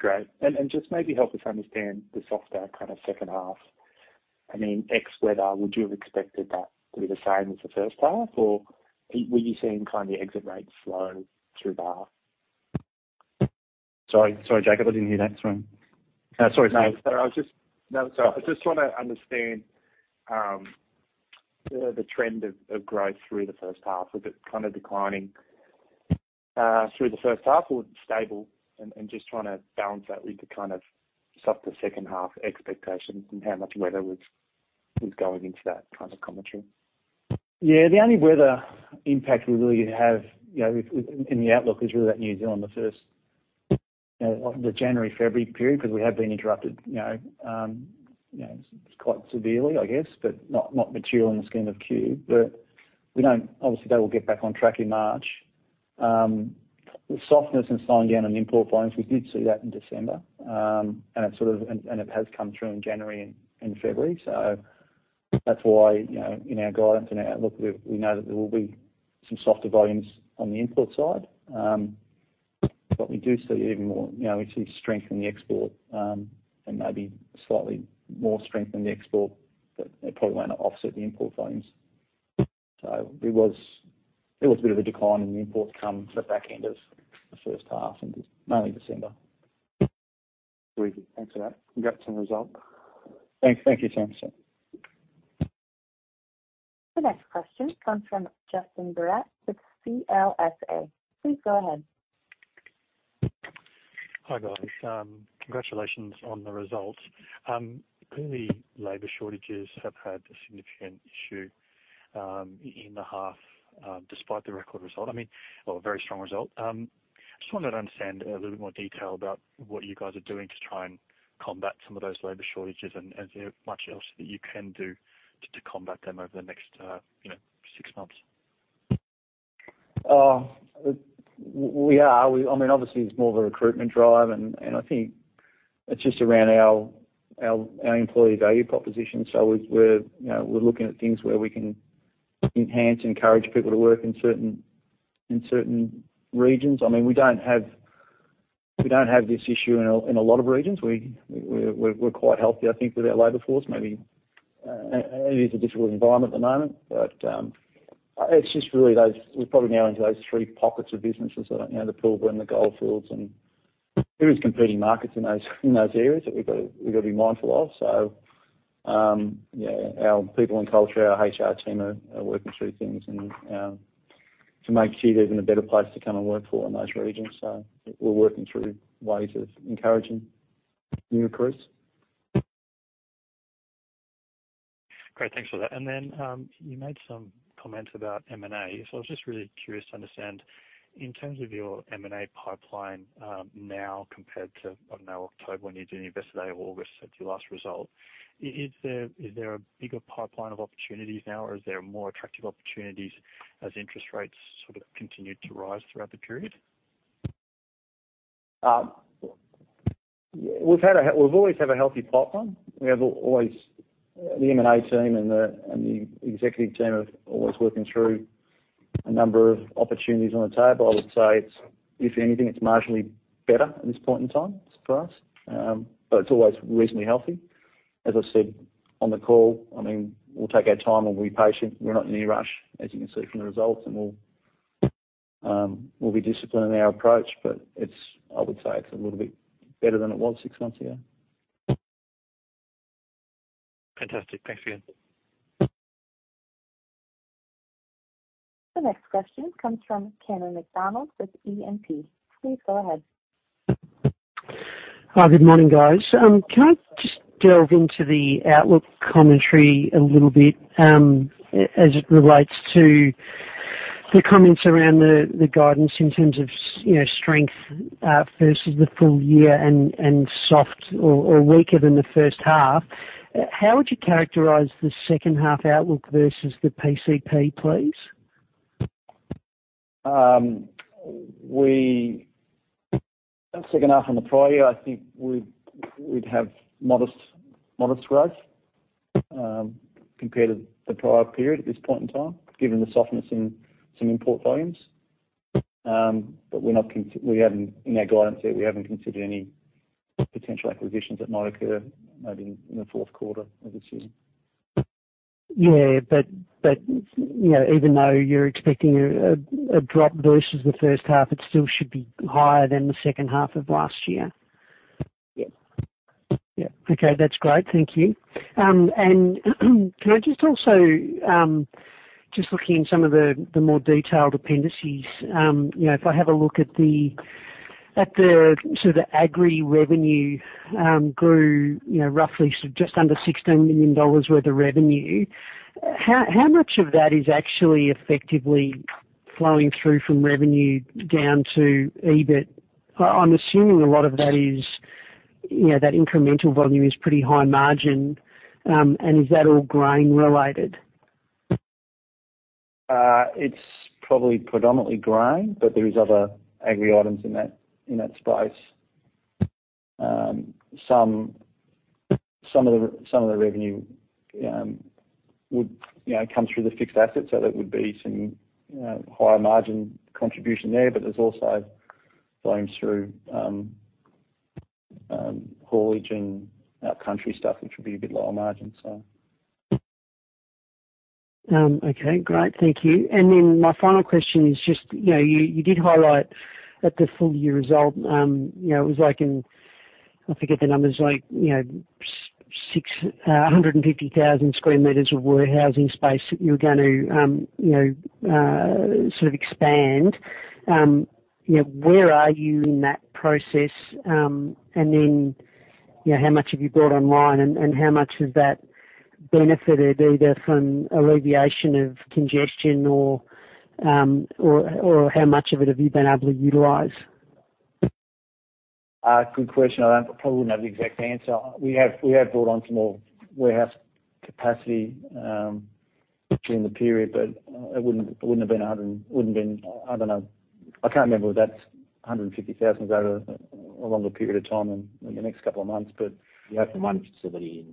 Great. Just maybe help us understand the softer kind of second half. I mean, X weather, would you have expected that to be the same as the first half or were you seeing kind of the exit rates slow through the half? Sorry. Sorry, Jakob, I didn't hear that. Sorry. Sorry, Sam. No, sorry. I just wanna understand, the trend of growth through the first half. Was it kind of declining, through the first half or stable? Just trying to balance that with the kind of softer second half expectations and how much weather was going into that kind of commentary. Yeah. The only weather impact we really have, you know, in the outlook is really that New Zealand, the first, the January, February period, because we have been interrupted, you know, you know, quite severely, I guess, but not material in the scheme of Qube. We don't. Obviously they will get back on track in March. The softness and slowing down on import volumes, we did see that in December, and it has come through in January and February. That's why, you know, in our guidance and our outlook, we know that there will be some softer volumes on the import side. What we do see even more, you know, we see strength in the export, and maybe slightly more strength in the export, but it probably won't offset the import volumes. There was a bit of a decline in the imports come the back end of the first half and mainly December. Great. Thanks for that. Congrats on the result. Thank you, Sam. The next question comes from Justin Barratt with CLSA. Please go ahead. Hi, guys. Congratulations on the results. Clearly labor shortages have had a significant issue in the half, despite the record result. I mean, or a very strong result. Just wanted to understand a little bit more detail about what you guys are doing to try and combat some of those labor shortages and is there much else that you can do to combat them over the next, you know, six months? We are. I mean, obviously it's more of a recruitment drive and I think it's just around our employee value proposition. We're, you know, we're looking at things where we can enhance, encourage people to work in certain regions. I mean, we don't have this issue in a lot of regions. We're quite healthy, I think, with our labor force. Maybe it is a difficult environment at the moment, but it's just really those. We're probably now into those three pockets of businesses that, you know, the Pilbara and the goldfields, and there is competing markets in those areas that we've got to be mindful of. Our people and culture, our HR team are working through things and to make sure there's a better place to come and work for in those regions. We're working through ways of encouraging new recruits. Great. Thanks for that. Then, you made some comments about M&A. I was just really curious to understand, in terms of your M&A pipeline, now compared to, I don't know, October when you did Investor Day or August at your last result, is there a bigger pipeline of opportunities now or is there more attractive opportunities as interest rates sort of continued to rise throughout the period? We've always had a healthy pipeline. We always. The M&A team and the, and the executive team are always working through a number of opportunities on the table. I would say it's, if anything, it's marginally better at this point in time for us. It's always reasonably healthy. As I said on the call, I mean, we'll take our time and we'll be patient. We're not in any rush, as you can see from the results. We'll be disciplined in our approach. It's I would say it's a little bit better than it was six months ago. Fantastic. Thanks, Paul. The next question comes from Cameron McDonald with E&P. Please go ahead. Hi. Good morning, guys. Can I just delve into the outlook commentary a little bit, as it relates to the comments around the guidance in terms of you know, strength versus the full year and soft or weaker than the first half? How would you characterize the second half outlook versus the PCP, please? Second half on the prior year, I think we'd have modest growth, compared to the prior period at this point in time, given the softness in some import volumes. We haven't, in our guidance yet, we haven't considered any potential acquisitions that might occur maybe in the fourth quarter of this year. Yeah. You know, even though you're expecting a drop versus the first half, it still should be higher than the second half of last year. Yeah. Yeah. Okay. That's great. Thank you. Can I just also, just looking in some of the more detailed appendices, you know, if I have a look at the, at the sort of agri revenue, grew, you know, roughly sort of just under 16 million dollars worth of revenue, how much of that is actually effectively flowing through from revenue down to EBIT? I'm assuming a lot of that is, you know, that incremental volume is pretty high margin. Is that all grain related? It's probably predominantly grain, but there is other agri items in that space. Some of the revenue would, you know, come through the fixed asset, so there would be some, you know, higher margin contribution there's also flowing through haulage and our country stuff, which would be a bit lower margin, so. Okay. Great. Thank you. My final question is just, you did highlight at the full year result, it was like in, I forget the numbers, like, 650,000 sq m of warehousing space that you're gonna sort of expand. Where are you in that process? How much have you brought online and how much has that benefited either from alleviation of congestion or how much of it have you been able to utilize? Good question. I probably wouldn't have the exact answer. We have brought on some more warehouse capacity during the period, but it wouldn't have been. Wouldn't been, I don't know. I can't remember if that's 150,000 is over a longer period of time than in the next two months. We opened one facility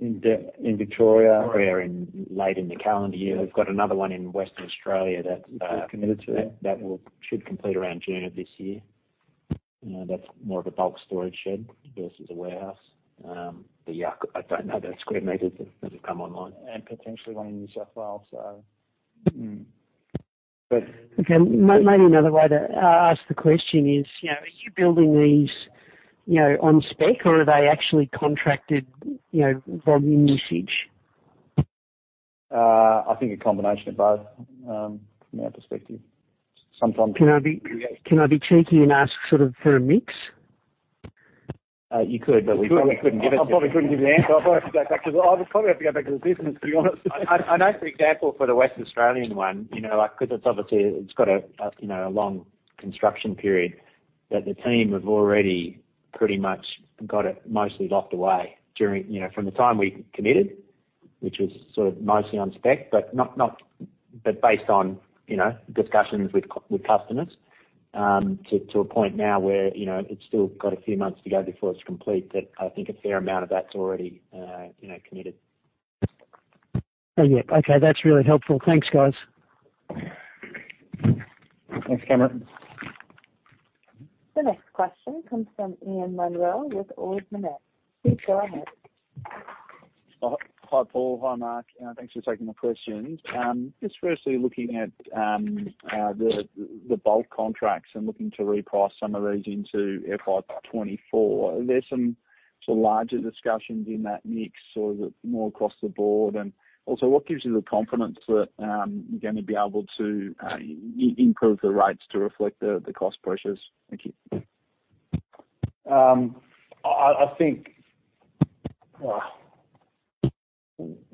in Victoria earlier late in the calendar year. We've got another one in Western Australia that. Committed to. Should complete around June of this year. You know, that's more of a bulk storage shed versus a warehouse. Yeah, I don't know the square meters that have come online. Potentially one in New South Wales. Mm-hmm. Okay. Maybe another way to ask the question is, you know, are you building these, you know, on spec or are they actually contracted, you know, volume usage? I think a combination of both from our perspective. Can I be cheeky and ask sort of for a mix? You could, but we probably couldn't give. I probably couldn't give you an answer. I would probably have to go back to the business, to be honest. I know for example, for the West Australian one, you know, like, because it's obviously, it's got a, you know, a long construction period, that the team have already pretty much got it mostly locked away during, you know, from the time we committed, which was sort of mostly on spec, but not. Based on, you know, discussions with customers, to a point now where, you know, it's still got a few months to go before it's complete. I think a fair amount of that's already, you know, committed. Okay. That's really helpful. Thanks, guys. Thanks, Cameron. The next question comes from Ian Munro with Ord Minnett. Please go ahead. Hi. Hi, Paul. Hi, Mark. Thanks for taking the questions. Just firstly, looking at the bulk contracts and looking to reprice some of these into FY 2024, are there some sort of larger discussions in that mix or is it more across the board? What gives you the confidence that you're going to be able to improve the rates to reflect the cost pressures? Thank you. I think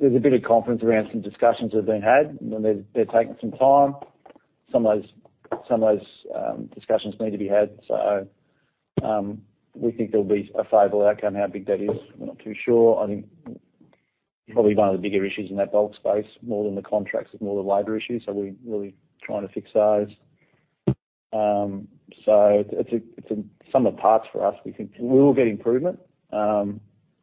there's a bit of confidence around some discussions that have been had, and they're taking some time. Some of those discussions need to be had. We think there'll be a favorable outcome. How big that is, we're not too sure. I think probably one of the bigger issues in that bulk space, more than the contracts, is more the labor issues. We're really trying to fix those. It's a sum of parts for us. We think we will get improvement. I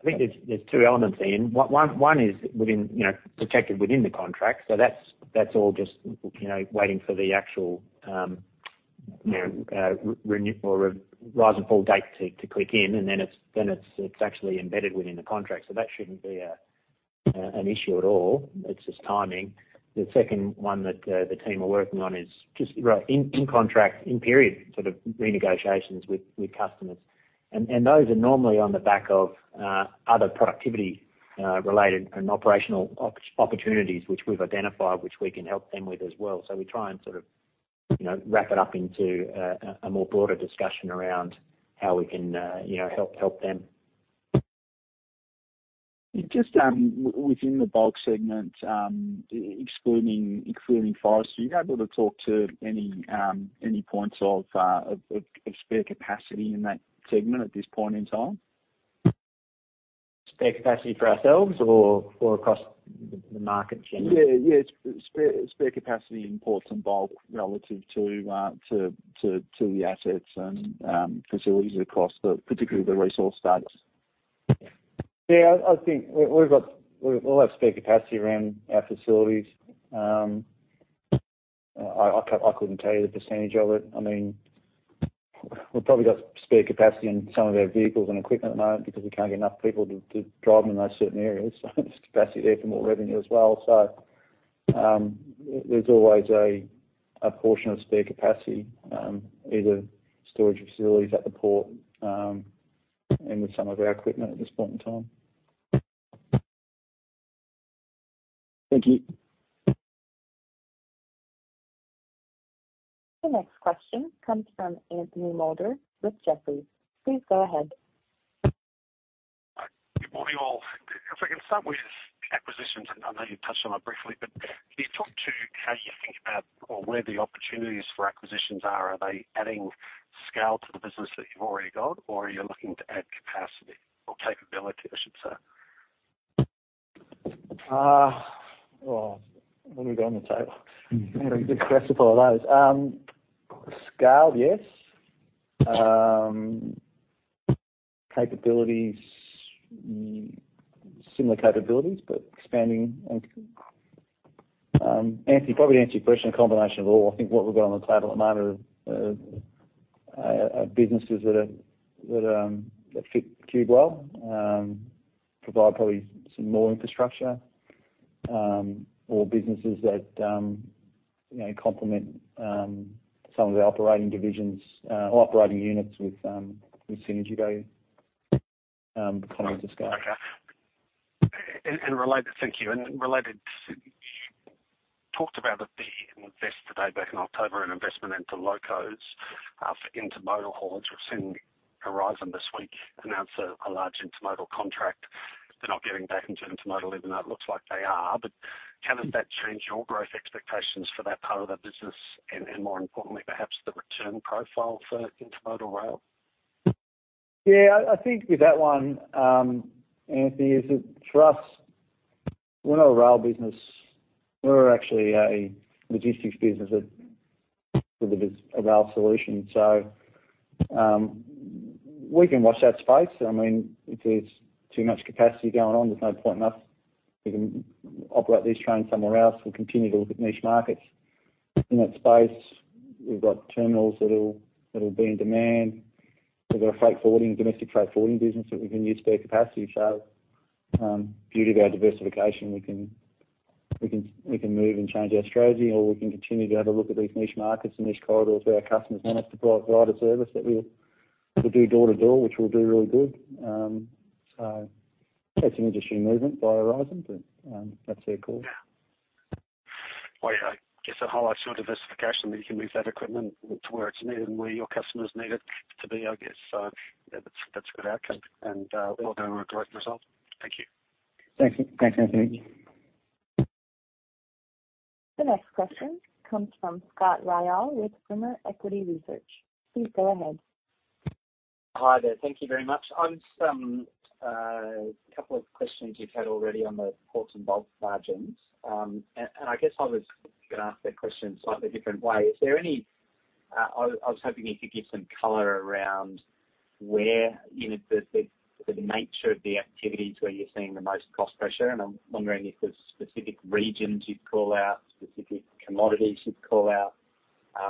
think there's two elements, Ian. One is within, you know, protected within the contract. That's, that's all just, you know, waiting for the actual, you know, renew or rise and fall date to click in, and then it's, then it's actually embedded within the contract. That shouldn't be an issue at all. It's just timing. The second one that, the team are working on is just. Right. In contract, in period, sort of renegotiations with customers. Those are normally on the back of other productivity related and operational opportunities which we've identified, which we can help them with as well. We try and sort of. You know, wrap it up into a more broader discussion around how we can, you know, help them. Just within the bulk segment, excluding forestry, are you able to talk to any points of spare capacity in that segment at this point in time? Spare capacity for ourselves or across the market generally? Yeah. Spare capacity in ports and bulk relative to the assets and facilities across the particularly the resource states. Yeah, I think we've all have spare capacity around our facilities. I couldn't tell you the percentage of it. I mean, we've probably got spare capacity in some of our vehicles and equipment at the moment because we can't get enough people to drive them in those certain areas. There's capacity there for more revenue as well. There's always a portion of spare capacity, either storage facilities at the port, and with some of our equipment at this point in time. Thank you. The next question comes from Anthony Moulder with Jefferies. Please go ahead. Good morning, all. If I can start with acquisitions, and I know you've touched on it briefly, but can you talk to how you think about or where the opportunities for acquisitions are? Are they adding scale to the business that you've already got, or are you looking to add capacity or capability, I should say? Oh, what have we got on the table? We can discuss all of those. Scale, yes. Capabilities, similar capabilities, but expanding. Anthony, probably to answer your question, a combination of all. I think what we've got on the table at the moment are businesses that are that fit Qube well, provide probably some more infrastructure, or businesses that, you know, complement some of the operating divisions, or operating units with synergy value, economies of scale. Okay. Thank you. Related, you talked about the invest today back in October, an investment into LOGOS, for intermodal hauls. We've seen Aurizon this week announce a large intermodal contract. They're not getting back into intermodal, even though it looks like they are. Can that change your growth expectations for that part of the business and more importantly, perhaps the return profile for intermodal rail? Yeah, I think with that one, Anthony, is that for us, we're not a rail business. We're actually a logistics business that delivers a rail solution. We can watch that space. I mean, if there's too much capacity going on, there's no point in us. We can operate these trains somewhere else. We'll continue to look at niche markets. In that space, we've got terminals that'll be in demand. We've got a domestic freight forwarding business that we can use spare capacity. Beauty of our diversification, we can move and change our strategy, or we can continue to have a look at these niche markets and niche corridors where our customers want us to provide a service that we'll do door-to-door, which we'll do really good. That's an industry movement by Aurizon, but, that's their call. Yeah. Well, yeah, I guess it highlights your diversification that you can move that equipment to where it's needed and where your customers need it to be, I guess. That's, that's a good outcome and well done on a great result. Thank you. Thanks. Thanks, Anthony. The next question comes from Scott Ryall with Rimor Equity Research. Please go ahead. Hi there. Thank you very much. On some, couple of questions you've had already on the ports and bulk margins, and I guess I was gonna ask that question in a slightly different way. Is there any. I was hoping you could give some color around where, you know, the, the nature of the activities where you're seeing the most cost pressure. I'm wondering if there's specific regions you'd call out, specific commodities you'd call out.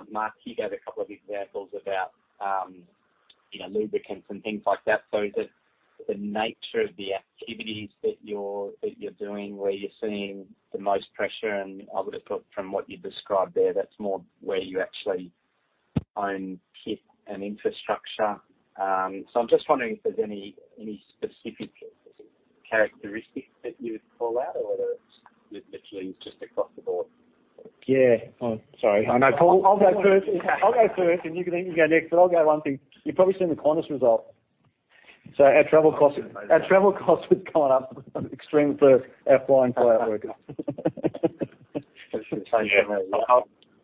Mark, you gave a couple of examples about, you know, lubricants and things like that. Is it the nature of the activities that you're doing where you're seeing the most pressure? I would have thought from what you described there, that's more where you actually own kit and infrastructure. I'm just wondering if there's any specific characteristics that you would call out or whether it's literally just across the board? Yeah. Oh, sorry. I know, Paul. I'll go first, and you can each go next. I'll go one thing. You've probably seen the Qantas result. our travel costs- Amazing. Our travel costs have gone up extremely for our flying coworker. Yeah.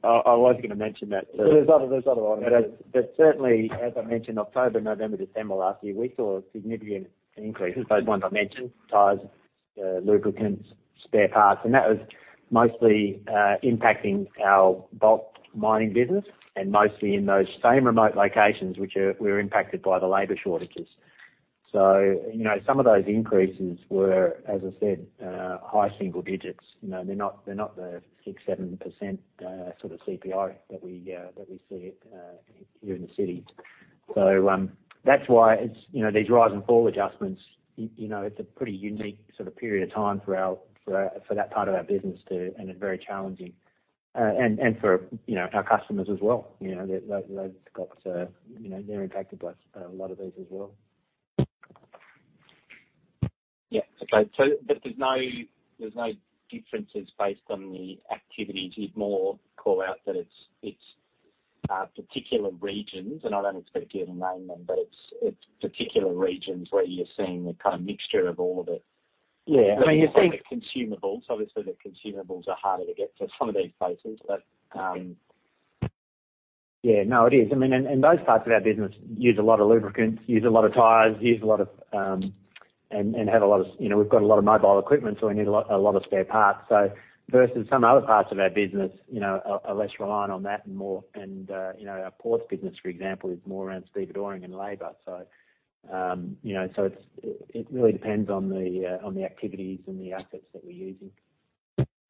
I was gonna mention that too. There's other items. Certainly, as I mentioned, October, November, December last year, we saw significant increases, those ones I mentioned, tires, lubricants, spare parts, and that was mostly impacting our bulk mining business and mostly in those same remote locations which were impacted by the labor shortages. You know, some of those increases were, as I said, high single digits. You know, they're not, they're not the 6%, 7% sort of CPI that we that we see here in the city. That's why it's, you know, these rise and fall adjustments, you know, it's a pretty unique sort of period of time for our, for that part of our business to, and a very challenging, and for, you know, our customers as well. You know, they've got to, you know, they're impacted by a lot of these as well. Yeah. Okay. There's no differences based on the activities. You'd more call out that it's particular regions, and I don't expect you to name them, it's particular regions where you're seeing the kind of mixture of all of it. Yeah. I mean. Some of the consumables. Obviously, the consumables are harder to get to some of these places, but. Yeah, no, it is. I mean, those parts of our business use a lot of lubricants, use a lot of tires, use a lot of, and have a lot of, you know, we've got a lot of mobile equipment, so we need a lot of spare parts. Versus some other parts of our business, you know, are less reliant on that and more and, you know, our ports business, for example, is more around stevedoring and labor. You know, so it really depends on the, on the activities and the assets that we're using.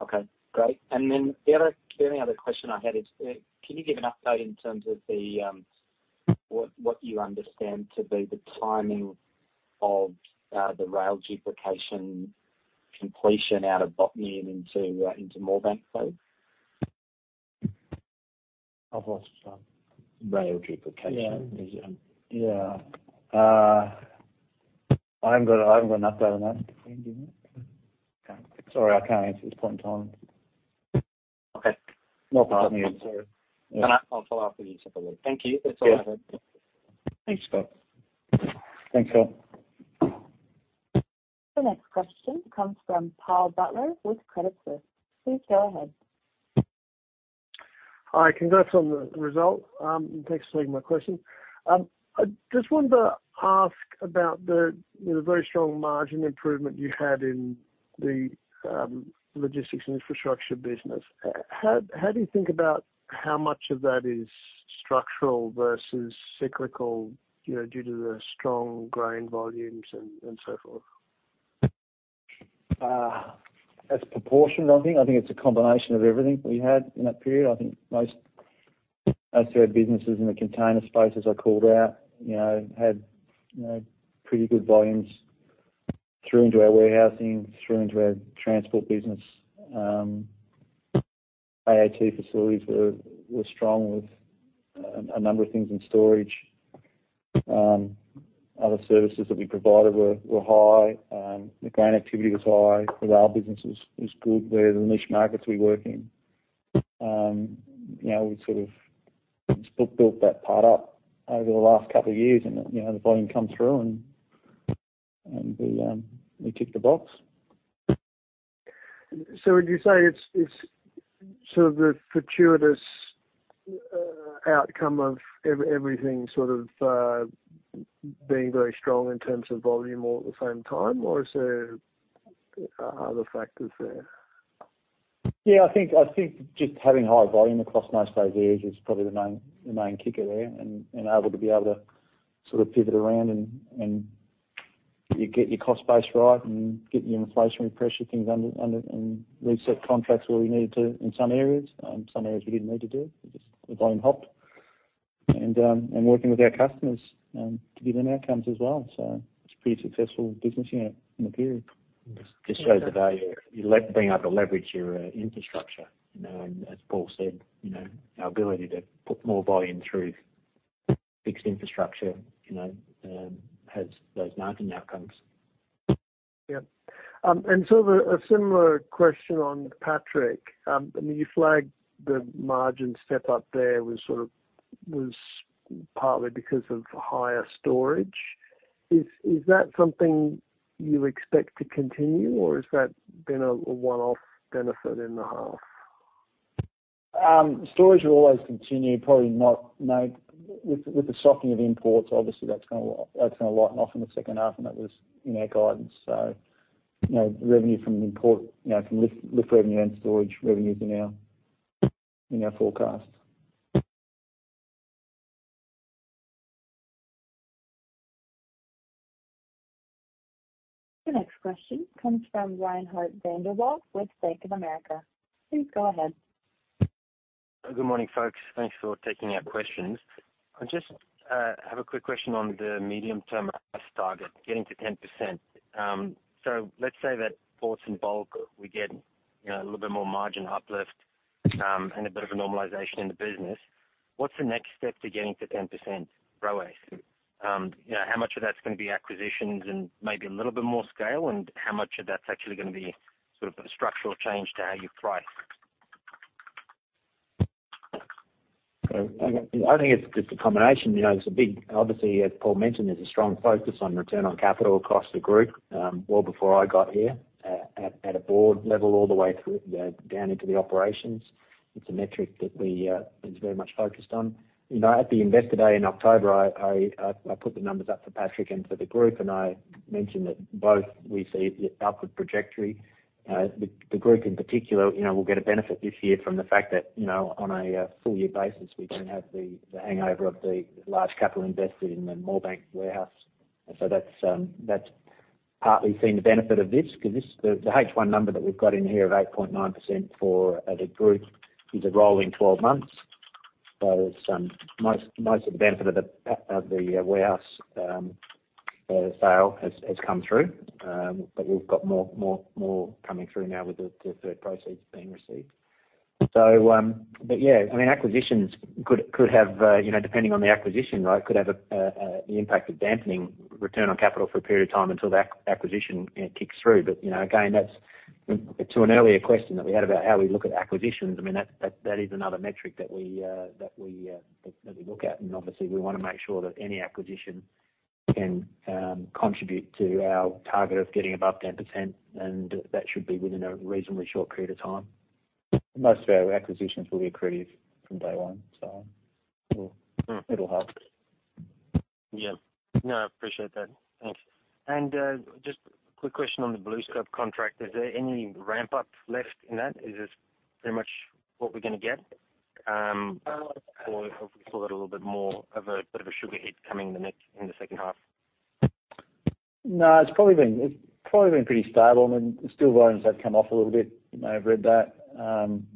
Okay, great. The other, the only other question I had is, can you give an update in terms of the, what you understand to be the timing of, the rail duplication completion out of Port Botany into Moorebank, please? I've lost you, sorry. Rail duplication. Yeah. Yeah. I haven't got an update on that. Can you, do you know? Okay. Sorry, I can't answer this point in time. Okay. Not from here, sorry. I'll follow up with you separately. Thank you. That's all I had. Thanks, Scott. The next question comes from Paul Butler with Credit Suisse. Please go ahead. Hi. Congrats on the result. Thanks for taking my question. I just wanted to ask about the, you know, very strong margin improvement you had in the logistics and infrastructure business. How do you think about how much of that is structural versus cyclical, you know, due to the strong grain volumes and so forth? As proportioned, I think. I think it's a combination of everything we had in that period. I think most of our businesses in the container space, as I called out, you know, had, you know, pretty good volumes through into our warehousing, through into our transport business. AAT facilities were strong with a number of things in storage. Other services that we provided were high. The grain activity was high. The rail business was good. They're the niche markets we work in. You know, we sort of just built that part up over the last couple of years and, you know, the volume come through and we tick the box. Would you say it's sort of the fortuitous, outcome of everything sort of, being very strong in terms of volume all at the same time, or is there other factors there? Yeah, I think just having high volume across most of those areas is probably the main kicker there and able to be able to sort of pivot around and you get your cost base right and get your inflationary pressure things under, and reset contracts where we needed to in some areas. Some areas we didn't need to do it. We just, the volume helped. Working with our customers, to give them outcomes as well. It's a pretty successful business, you know, in the period. Just shows the value of being able to leverage your infrastructure, you know. As Paul said, you know, our ability to put more volume through fixed infrastructure, you know, has those margin outcomes. Yeah. Sort of a similar question on Patrick. I mean, you flagged the margin step up there was partly because of higher storage. Is that something you expect to continue or has that been a one-off benefit in the half? Storage will always continue. With the softening of imports, obviously that's gonna lighten off in the second half, and that was in our guidance. You know, revenue from import, you know, from lift revenue and storage revenues are now in our forecast. The next question comes from Reinhardt van der Walt with Bank of America. Please go ahead. Good morning, folks. Thanks for taking our questions. I just have a quick question on the medium-term ROACE target, getting to 10%. Let's say that ports and bulk, we get, you know, a little bit more margin uplift, and a bit of a normalization in the business. What's the next step to getting to 10% ROACE? You know, how much of that's gonna be acquisitions and maybe a little bit more scale, and how much of that's actually gonna be sort of a structural change to how you price? I think it's just a combination. You know, there's a big. Obviously, as Paul mentioned, there's a strong focus on return on capital across the group, well before I got here, at a board level all the way through, down into the operations. It's a metric that we is very much focused on. You know, at the Investor Day in October, I put the numbers up for Patrick and for the group, and I mentioned that both we see upward trajectory. The group in particular, you know, will get a benefit this year from the fact that, you know, on a full year basis, we don't have the hangover of the large capital invested in the Moorebank warehouse. That's partly seen the benefit of this, 'cause this, the H1 number that we've got in here of 8.9% for the group is a rolling 12 months. It's most of the benefit of the warehouse sale has come through. But we've got more coming through now with the third proceeds being received. But yeah, I mean, acquisitions could have, you know, depending on the acquisition, right, could have the impact of dampening return on capital for a period of time until the acquisition, you know, kicks through. But, you know, again, that's. To an earlier question that we had about how we look at acquisitions, I mean, that is another metric that we look at. Obviously we wanna make sure that any acquisition can contribute to our target of getting above 10%, and that should be within a reasonably short period of time. Most of our acquisitions will be accretive from day one, so it'll help. Yeah. No, I appreciate that. Thanks. Just quick question on the BlueScope contract. Is there any ramp up left in that? Is this pretty much what we're gonna get, or have we still got a little bit more of a, bit of a sugar hit coming in the next, in the second half? No, it's probably been pretty stable. I mean, the steel volumes have come off a little bit. You may have read that.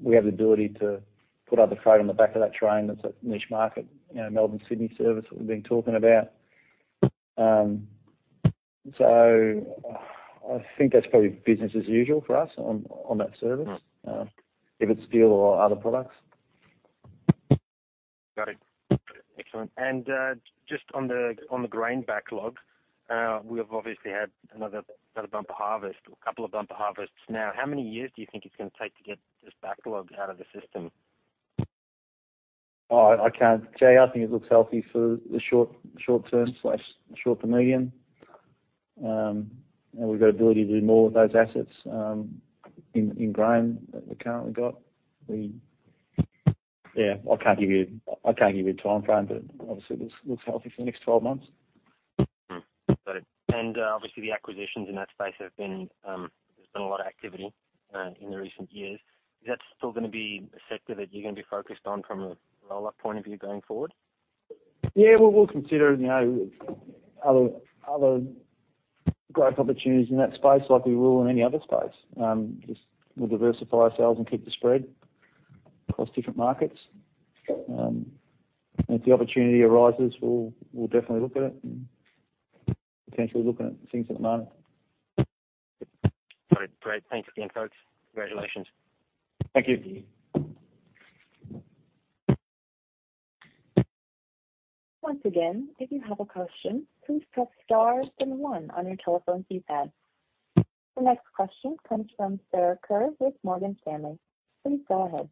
We have the ability to put other freight on the back of that train. That's a niche market. You know, Melbourne-Sydney service that we've been talking about. I think that's probably business as usual for us on that service. Right. If it's steel or other products. Got it. Excellent. Just on the grain backlog, we have obviously had another bumper harvest or a couple of bumper harvests now. How many years do you think it's gonna take to get this backlog out of the system? I can't say. I think it looks healthy for the short term/short to medium. We've got ability to do more with those assets in grain that we currently got. Yeah, I can't give you a timeframe, obviously this looks healthy for the next 12 months. Got it. Obviously the acquisitions in that space have been, there's been a lot of activity in the recent years. Is that still gonna be a sector that you're gonna be focused on from a rollout point of view going forward? Yeah, we'll consider, you know, other growth opportunities in that space like we will in any other space. Just we'll diversify ourselves and keep the spread across different markets. If the opportunity arises, we'll definitely look at it and potentially looking at things at the moment. Got it. Great. Thanks again, folks. Congratulations. Thank you. Once again, if you have a question, please press star then one on your telephone keypad. The next question comes from Sarah Kerr with Morgan Stanley. Please go ahead.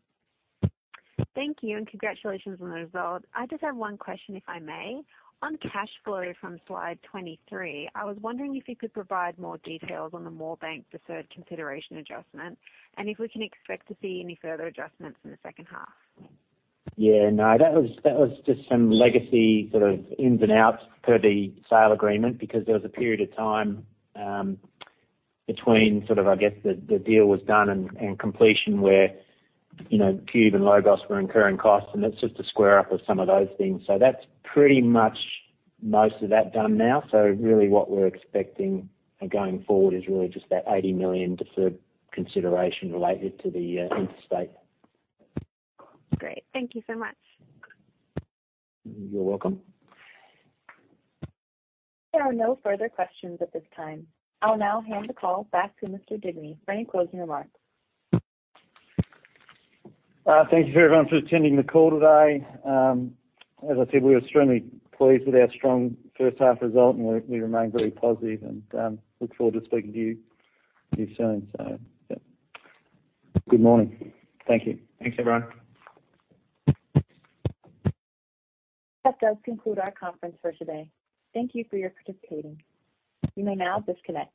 Thank you, congratulations on the result. I just have one question, if I may. On cash flow from Slide 23, I was wondering if you could provide more details on the Moorebank deferred consideration adjustment and if we can expect to see any further adjustments in the second half. Yeah. No, that was, that was just some legacy sort of ins and outs per the sale agreement because there was a period of time between sort of, I guess, the deal was done and completion where, you know, Qube and LOGOS were incurring costs, and that's just a square up of some of those things. That's pretty much most of that done now. Really what we're expecting going forward is really just that 80 million deferred consideration related to the Interstate. Great. Thank you so much. You're welcome. There are no further questions at this time. I'll now hand the call back to Mr. Digney for any closing remarks. Thank you for everyone for attending the call today. As I said, we are extremely pleased with our strong first half result, and we remain very positive and look forward to speaking to you soon. Yeah. Good morning. Thank you. Thanks, everyone. That does conclude our conference for today. Thank you for your participating. You may now disconnect.